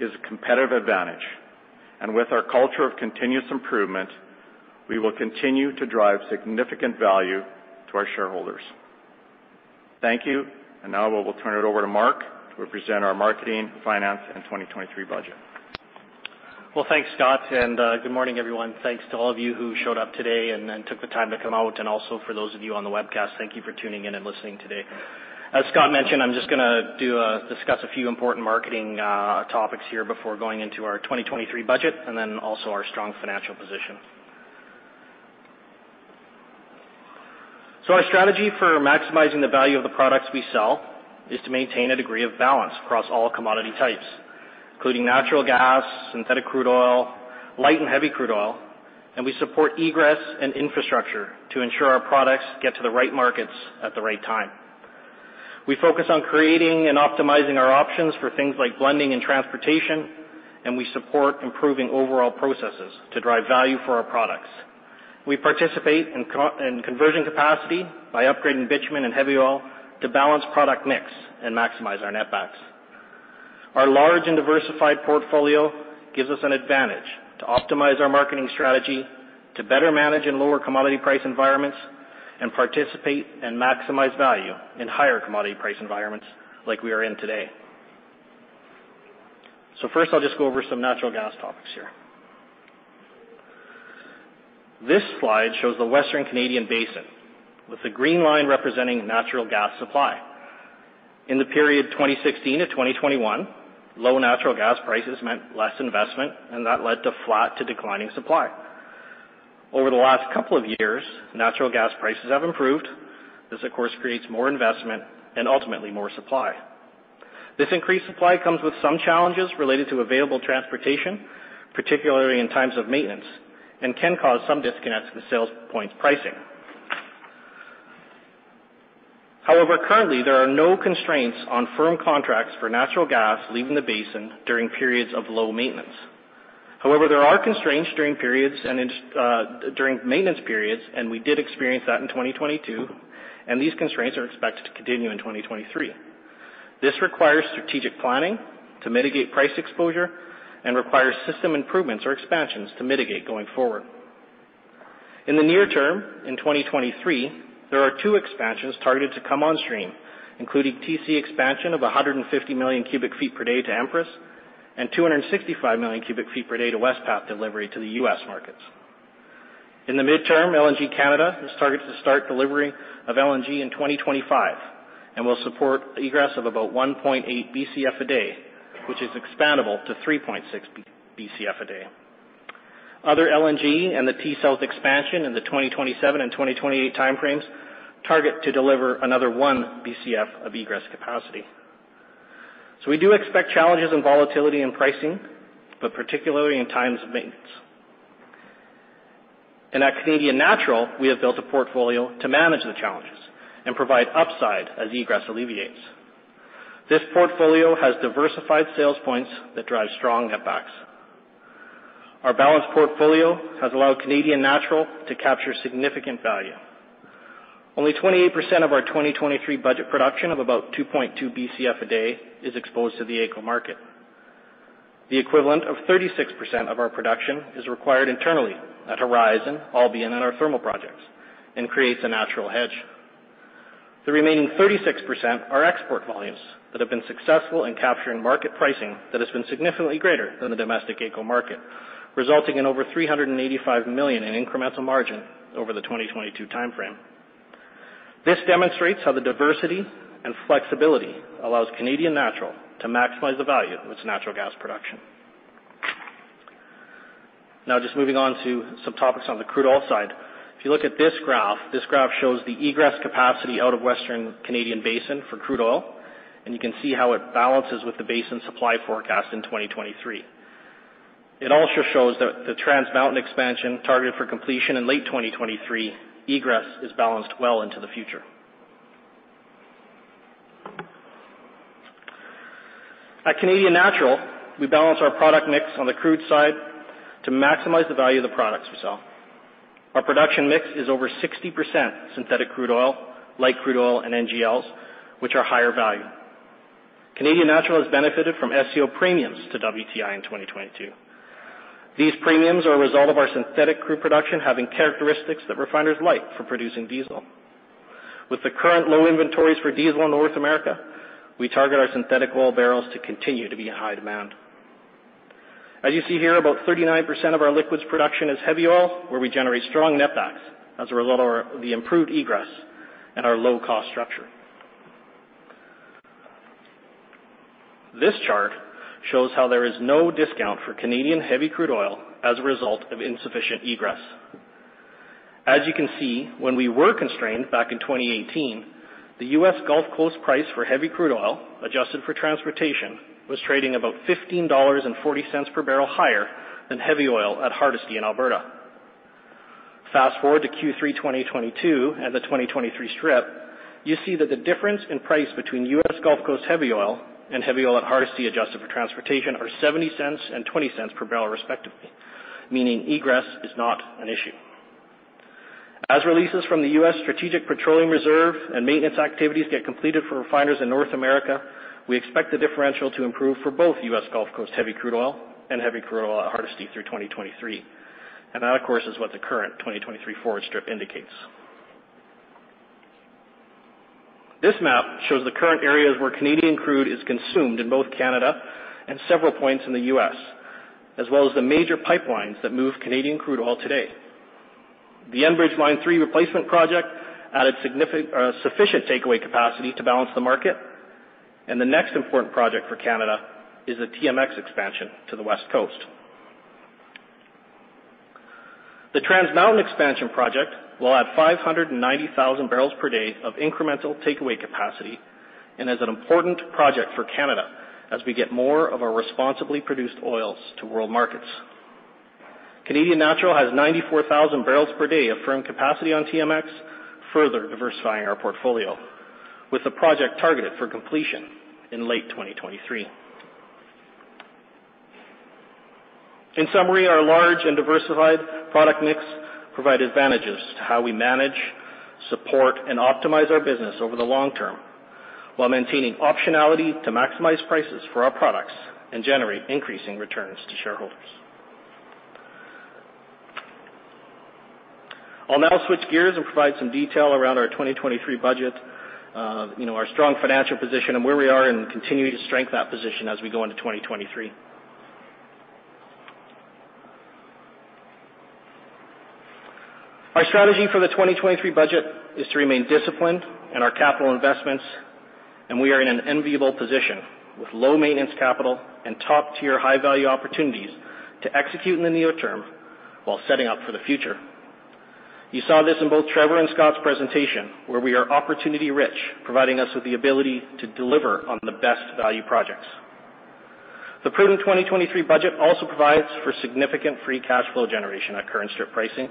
is a competitive advantage. With our culture of continuous improvement, we will continue to drive significant value to our shareholders. Thank you. Now we will turn it over to Mark to present our marketing, finance, and 2023 budget. Well, thanks, Scott, and good morning, everyone. Thanks to all of you who showed up today and then took the time to come out, and also for those of you on the webcast, thank you for tuning in and listening today. As Scott mentioned, I'm just gonna discuss a few important marketing topics here before going into our 2023 budget and then also our strong financial position. Our strategy for maximizing the value of the products we sell is to maintain a degree of balance across all commodity types, including natural gas, synthetic crude oil, light and heavy crude oil, and we support egress and infrastructure to ensure our products get to the right markets at the right time. We focus on creating and optimizing our options for things like blending and transportation, and we support improving overall processes to drive value for our products. We participate in conversion capacity by upgrading bitumen and heavy oil to balance product mix and maximize our netbacks. Our large and diversified portfolio gives us an advantage to optimize our marketing strategy to better manage in lower commodity price environments and participate and maximize value in higher commodity price environments like we are in today. First, I'll just go over some natural gas topics here. This slide shows the Western Canadian Basin, with the green line representing natural gas supply. In the period 2016-2021, low natural gas prices meant less investment, and that led to flat to declining supply. Over the last couple of years, natural gas prices have improved. This of course creates more investment and ultimately more supply. This increased supply comes with some challenges related to available transportation, particularly in times of maintenance, and can cause some disconnects in the sales point pricing. Currently, there are no constraints on firm contracts for natural gas leaving the basin during periods of low maintenance. There are constraints during periods and in during maintenance periods, and we did experience that in 2022, and these constraints are expected to continue in 2023. This requires strategic planning to mitigate price exposure and requires system improvements or expansions to mitigate going forward. In the near term, in 2023, there are two expansions targeted to come on stream, including TC expansion of 150 million cu ft per day to Empress and 265 million cu ft per day to West Path Delivery to the U.S. markets. In the midterm, LNG Canada is targeted to start delivery of LNG in 2025 and will support egress of about 1.8 BCF a day, which is expandable to 3.6 BCF a day. Other LNG and the T South expansion in the 2027 and 2028 time frames target to deliver another 1 BCF of egress capacity. We do expect challenges in volatility in pricing, but particularly in times of maintenance. At Canadian Natural, we have built a portfolio to manage the challenges and provide upside as egress alleviates. This portfolio has diversified sales points that drive strong netbacks. Our balanced portfolio has allowed Canadian Natural to capture significant value. Only 28% of our 2023 budget production of about 2.2 BCF a day is exposed to the AECO market. The equivalent of 36% of our production is required internally at Horizon, all being in our thermal projects, and creates a natural hedge. The remaining 36% are export volumes that have been successful in capturing market pricing that has been significantly greater than the domestic AECO market, resulting in over 385 million in incremental margin over the 2022 time frame. This demonstrates how the diversity and flexibility allows Canadian Natural to maximize the value of its natural gas production. Just moving on to some topics on the crude oil side. If you look at this graph, this graph shows the egress capacity out of Western Canadian Basin for crude oil, and you can see how it balances with the basin supply forecast in 2023. It also shows that the Trans Mountain expansion targeted for completion in late 2023, egress is balanced well into the future. At Canadian Natural, we balance our product mix on the crude side to maximize the value of the products we sell. Our production mix is over 60% synthetic crude oil, light crude oil, and NGLs, which are higher value. Canadian Natural has benefited from SCO premiums to WTI in 2022. These premiums are a result of our synthetic crude production having characteristics that refiners like for producing diesel. With the current low inventories for diesel in North America, we target our synthetic oil barrels to continue to be in high demand. As you see here, about 39% of our liquids production is heavy oil, where we generate strong netbacks as a result of the improved egress and our low-cost structure. This chart shows how there is no discount for Canadian heavy crude oil as a result of insufficient egress. When we were constrained back in 2018, the US Gulf Coast price for heavy crude oil, adjusted for transportation, was trading about 15.40 dollars per barrel higher than heavy oil at Hardisty in Alberta. Fast-forward to Q3 2022 and the 2023 strip, you see that the difference in price between US Gulf Coast heavy oil and heavy oil at Hardisty, adjusted for transportation, are 0.70 and 0.20 per barrel respectively, meaning egress is not an issue. As releases from the U.S. Strategic Petroleum Reserve and maintenance activities get completed for refiners in North America, we expect the differential to improve for both U.S. Gulf Coast heavy crude oil and heavy crude oil at Hardisty through 2023. That, of course, is what the current 2023 forward strip indicates. This map shows the current areas where Canadian crude is consumed in both Canada and several points in the U.S., as well as the major pipelines that move Canadian crude oil today. The Enbridge Line 3 replacement project added sufficient takeaway capacity to balance the market. The next important project for Canada is the TMX expansion to the West Coast. The Trans Mountain Expansion Project will add 590,000 bbl per day of incremental takeaway capacity and is an important project for Canada as we get more of our responsibly produced oils to world markets. Canadian Natural has 94,000 bbl per day of firm capacity on TMX, further diversifying our portfolio, with the project targeted for completion in late 2023. In summary, our large and diversified product mix provide advantages to how we manage, support, and optimize our business over the long term while maintaining optionality to maximize prices for our products and generate increasing returns to shareholders. I'll now switch gears and provide some detail around our 2023 budget, you know, our strong financial position and where we are in continuing to strengthen that position as we go into 2023. Our strategy for the 2023 budget is to remain disciplined in our capital investments, and we are in an enviable position with low maintenance capital and top-tier high-value opportunities to execute in the near term while setting up for the future. You saw this in both Trevor and Scott's presentation, where we are opportunity-rich, providing us with the ability to deliver on the best value projects. The prudent 2023 budget also provides for significant free cash flow generation at current strip pricing,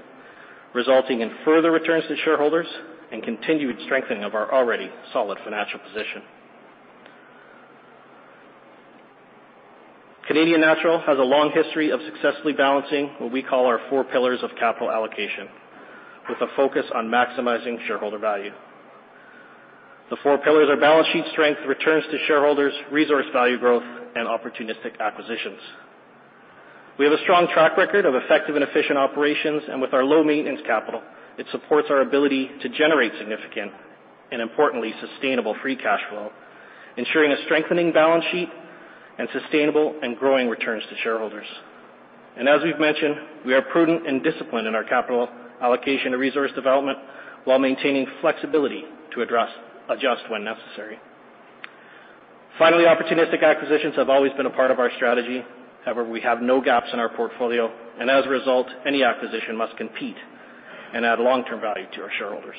resulting in further returns to shareholders and continued strengthening of our already solid financial position. Canadian Natural has a long history of successfully balancing what we call our four pillars of capital allocation, with a focus on maximizing shareholder value. The four pillars are balance sheet strength, returns to shareholders, resource value growth, and opportunistic acquisitions. We have a strong track record of effective and efficient operations, and with our low maintenance capital, it supports our ability to generate significant and, importantly, sustainable free cash flow, ensuring a strengthening balance sheet and sustainable and growing returns to shareholders. As we've mentioned, we are prudent and disciplined in our capital allocation and resource development while maintaining flexibility to adjust when necessary. Finally, opportunistic acquisitions have always been a part of our strategy. However, we have no gaps in our portfolio, and as a result, any acquisition must compete and add long-term value to our shareholders.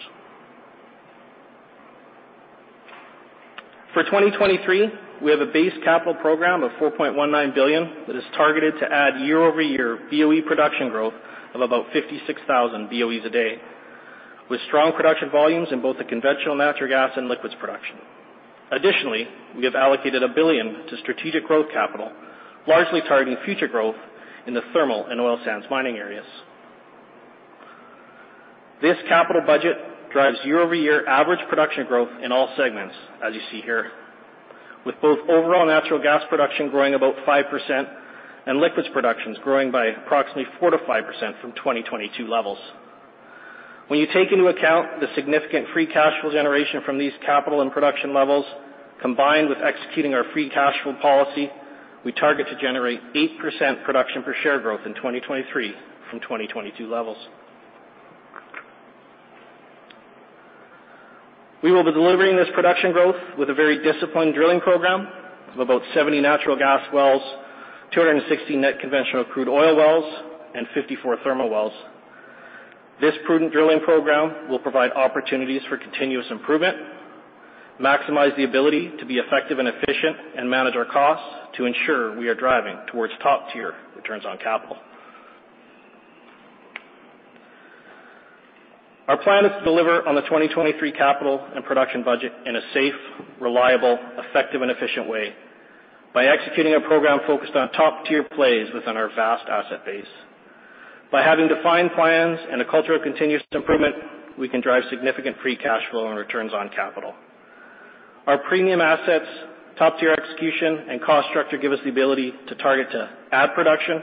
For 2023, we have a base capital program of 4.19 billion that is targeted to add year-over-year BOE production growth of about 56,000 BOEs a day, with strong production volumes in both the conventional natural gas and liquids production. We have allocated 1 billion to strategic growth capital, largely targeting future growth in the thermal and oil sands mining areas. This capital budget drives year-over-year average production growth in all segments, as you see here, with both overall natural gas production growing about 5% and liquids productions growing by approximately 4%-5% from 2022 levels. When you take into account the significant free cash flow generation from these capital and production levels, combined with executing our free cash flow policy, we target to generate 8% production per share growth in 2023 from 2022 levels. We will be delivering this production growth with a very disciplined drilling program of about 70 natural gas wells, 216 net conventional crude oil wells, and 54 thermal wells. This prudent drilling program will provide opportunities for continuous improvement, maximize the ability to be effective and efficient, and manage our costs to ensure we are driving towards top-tier returns on capital. Our plan is to deliver on the 2023 capital and production budget in a safe, reliable, effective, and efficient way by executing a program focused on top-tier plays within our vast asset base. By having defined plans and a culture of continuous improvement, we can drive significant free cash flow and returns on capital. Our premium assets, top-tier execution, and cost structure give us the ability to target to add production,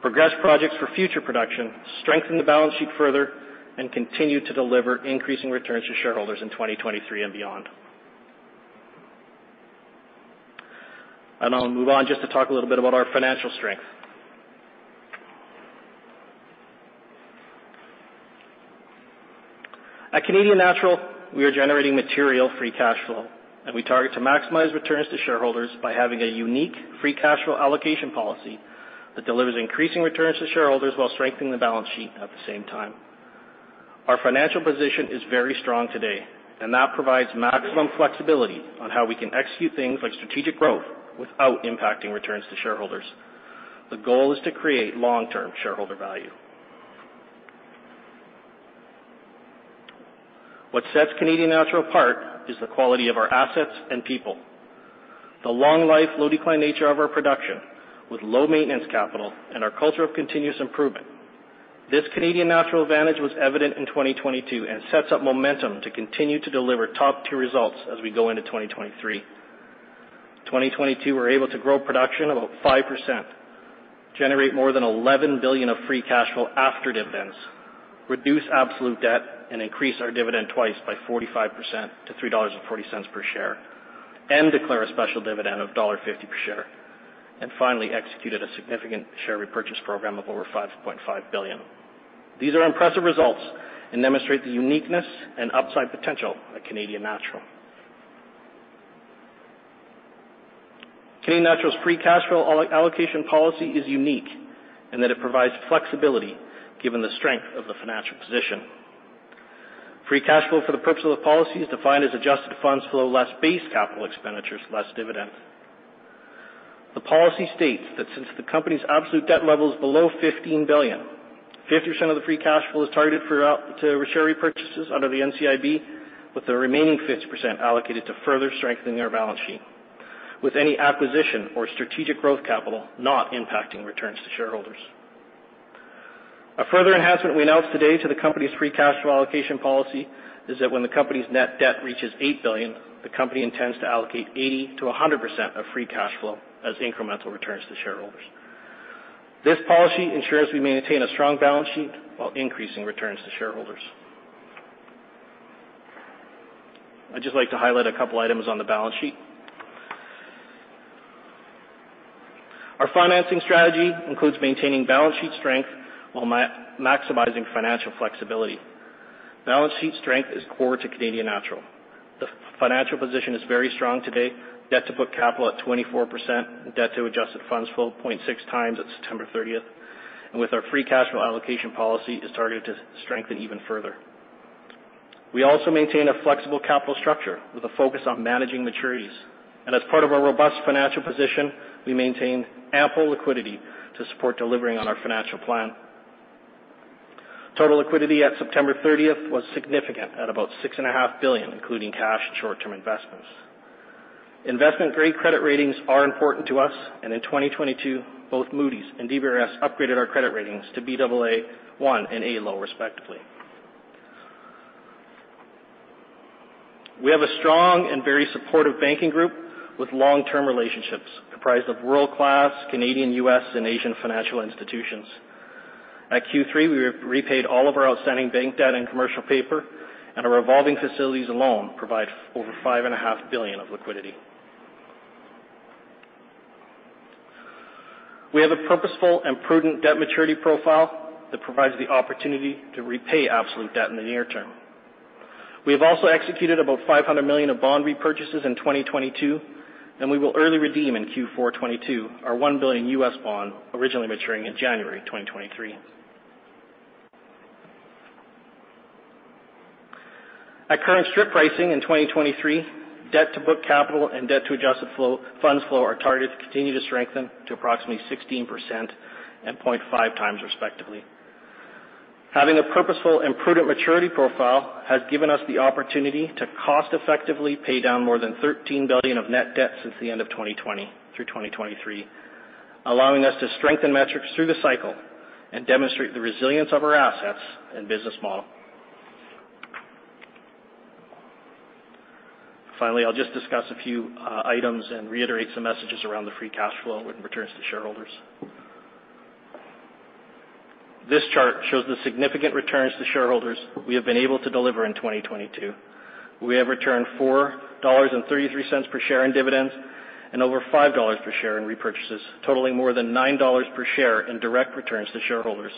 progress projects for future production, strengthen the balance sheet further, and continue to deliver increasing returns to shareholders in 2023 and beyond. I'll move on just to talk a little bit about our financial strength. At Canadian Natural, we are generating material free cash flow. We target to maximize returns to shareholders by having a unique free cash flow allocation policy that delivers increasing returns to shareholders while strengthening the balance sheet at the same time. Our financial position is very strong today. That provides maximum flexibility on how we can execute things like strategic growth without impacting returns to shareholders. The goal is to create long-term shareholder value. What sets Canadian Natural apart is the quality of our assets and people. The long-life, low-decline nature of our production with low maintenance capital and our culture of continuous improvement. This Canadian Natural advantage was evident in 2022 and sets up momentum to continue to deliver top-tier results as we go into 2023. 2022, we're able to grow production about 5%, generate more than 11 billion of free cash flow after dividends, reduce absolute debt, and increase our dividend twice by 45% to 3.40 dollars per share, and declare a special dividend of dollar 1.50 per share, and finally executed a significant share repurchase program of over 5.5 billion. These are impressive results and demonstrate the uniqueness and upside potential at Canadian Natural. Canadian Natural's free cash flow allocation policy is unique in that it provides flexibility given the strength of the financial position. Free cash flow for the purpose of the policy is defined as Adjusted Funds Flow, less base capital expenditures, less dividends. The policy states that since the company's absolute debt level is below 15 billion, 50% of the free cash flow is targeted to share repurchases under the NCIB, with the remaining 50% allocated to further strengthening our balance sheet, with any acquisition or strategic growth capital not impacting returns to shareholders. A further enhancement we announced today to the company's free cash flow allocation policy is that when the company's net debt reaches 8 billion, the company intends to allocate 80%-100% of free cash flow as incremental returns to shareholders. This policy ensures we maintain a strong balance sheet while increasing returns to shareholders. I'd just like to highlight a couple items on the balance sheet. Our financing strategy includes maintaining balance sheet strength while maximizing financial flexibility. Balance sheet strength is core to Canadian Natural. The financial position is very strong today, debt to book capital at 24%, and debt to Adjusted Funds Flow 0.6x at September 30th, and with our free cash flow allocation policy, is targeted to strengthen even further. We also maintain a flexible capital structure with a focus on managing maturities. As part of our robust financial position, we maintain ample liquidity to support delivering on our financial plan. Total liquidity at September 30th was significant at about 6.5 billion, including cash and short-term investments. Investment-grade credit ratings are important to us, and in 2022, both Moody's and DBRS upgraded our credit ratings to Baa1 and A (low), respectively. We have a strong and very supportive banking group with long-term relationships comprised of world-class Canadian, U.S., and Asian financial institutions. At Q3, we repaid all of our outstanding bank debt and commercial paper. Our revolving facilities alone provide over $5.5 billion of liquidity. We have a purposeful and prudent debt maturity profile that provides the opportunity to repay absolute debt in the near term. We have also executed about $500 million of bond repurchases in 2022. We will early redeem in Q4 2022 our $1 billion US bond, originally maturing in January 2023. At current strip pricing in 2023, debt to book capital and debt to Adjusted Funds Flow are targeted to continue to strengthen to approximately 16% and 0.5x, respectively. Having a purposeful and prudent maturity profile has given us the opportunity to cost-effectively pay down more than CAD 13 billion of net debt since the end of 2020 through 2023, allowing us to strengthen metrics through the cycle and demonstrate the resilience of our assets and business model. Finally, I'll just discuss a few items and reiterate some messages around the free cash flow and returns to shareholders. This chart shows the significant returns to shareholders we have been able to deliver in 2022. We have returned 4.33 dollars per share in dividends and over 5 dollars per share in repurchases, totaling more than 9 dollars per share in direct returns to shareholders.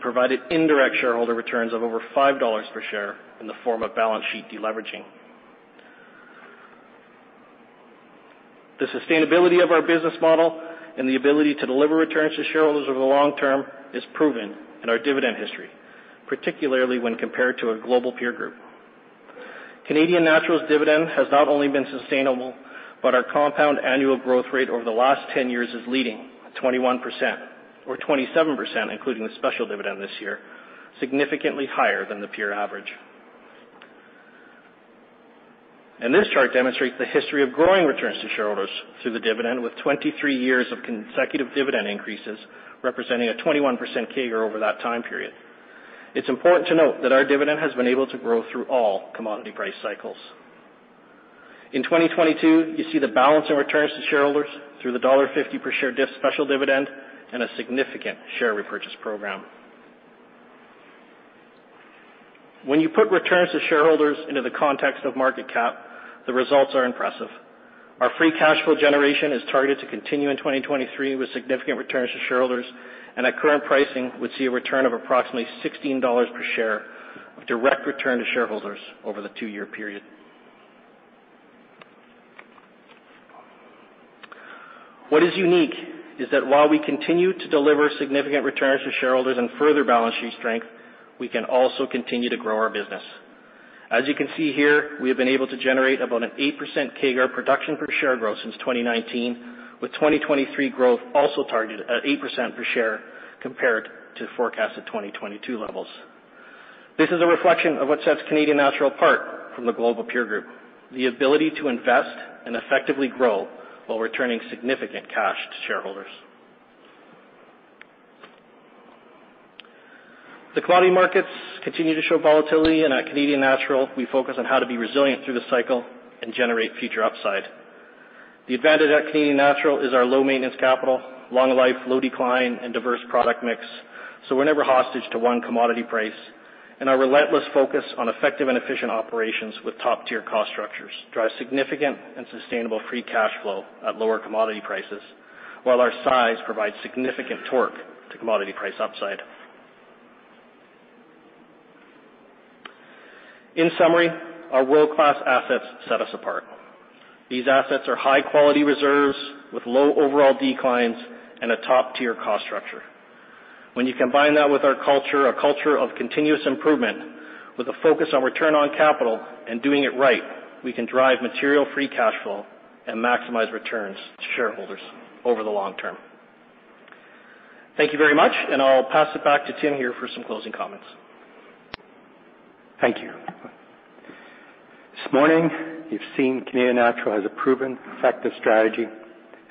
Provided indirect shareholder returns of over 5 dollars per share in the form of balance sheet deleveraging. The sustainability of our business model and the ability to deliver returns to shareholders over the long term is proven in our dividend history, particularly when compared to a global peer group. Canadian Natural's dividend has not only been sustainable, but our compound annual growth rate over the last 10 years is leading 21% or 27%, including the special dividend this year, significantly higher than the peer average. This chart demonstrates the history of growing returns to shareholders through the dividend, with 23 years of consecutive dividend increases, representing a 21% CAGR over that time period. It's important to note that our dividend has been able to grow through all commodity price cycles. In 2022, you see the balance in returns to shareholders through the dollar 1.50 per share special dividend and a significant share repurchase program. When you put returns to shareholders into the context of market cap, the results are impressive. Our free cash flow generation is targeted to continue in 2023 with significant returns to shareholders. At current pricing, we'd see a return of approximately 16 dollars per share of direct return to shareholders over the two-year period. What is unique is that while we continue to deliver significant returns to shareholders and further balance sheet strength, we can also continue to grow our business. As you can see here, we have been able to generate about an 8% CAGR production per share growth since 2019, with 2023 growth also targeted at 8% per share compared to forecasted 2022 levels. This is a reflection of what sets Canadian Natural apart from the global peer group, the ability to invest and effectively grow while returning significant cash to shareholders. The commodity markets continue to show volatility. At Canadian Natural, we focus on how to be resilient through the cycle and generate future upside. The advantage at Canadian Natural is our low maintenance capital, long life, low decline, and diverse product mix. We're never hostage to one commodity price. Our relentless focus on effective and efficient operations with top-tier cost structures drive significant and sustainable free cash flow at lower commodity prices, while our size provides significant torque to commodity price upside. In summary, our world-class assets set us apart. These assets are high-quality reserves with low overall declines and a top-tier cost structure. When you combine that with our culture, a culture of continuous improvement with a focus on return on capital and doing it right, we can drive material free cash flow and maximize returns to shareholders over the long term. Thank you very much. I'll pass it back to Tim here for some closing comments. Thank you. This morning, you've seen Canadian Natural has a proven effective strategy.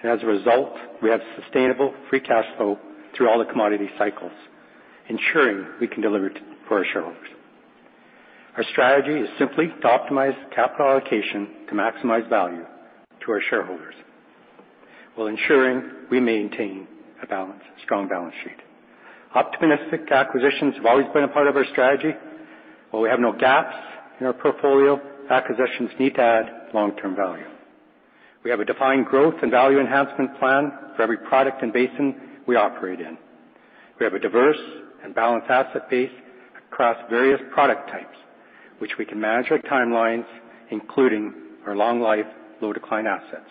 As a result, we have sustainable free cash flow through all the commodity cycles, ensuring we can deliver for our shareholders. Our strategy is simply to optimize capital allocation to maximize value to our shareholders while ensuring we maintain a strong balance sheet. Optimistic acquisitions have always been a part of our strategy. While we have no gaps in our portfolio, acquisitions need to add long-term value. We have a defined growth and value enhancement plan for every product and basin we operate in. We have a diverse and balanced asset base across various product types, which we can manage with timelines, including our long life, low decline assets,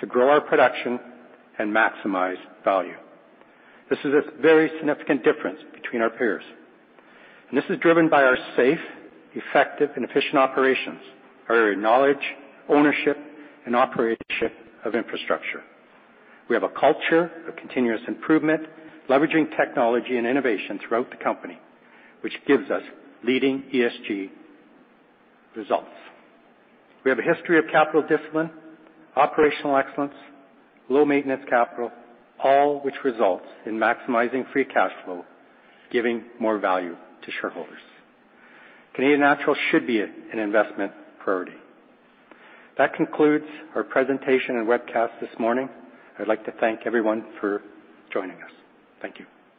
to grow our production and maximize value. This is a very significant difference between our peers. This is driven by our safe, effective, and efficient operations, our knowledge, ownership, and operation of infrastructure. We have a culture of continuous improvement, leveraging technology and innovation throughout the company, which gives us leading ESG results. We have a history of capital discipline, operational excellence, low maintenance capital, all which results in maximizing free cash flow, giving more value to shareholders. Canadian Natural should be an investment priority. That concludes our presentation and webcast this morning. I'd like to thank everyone for joining us. Thank you.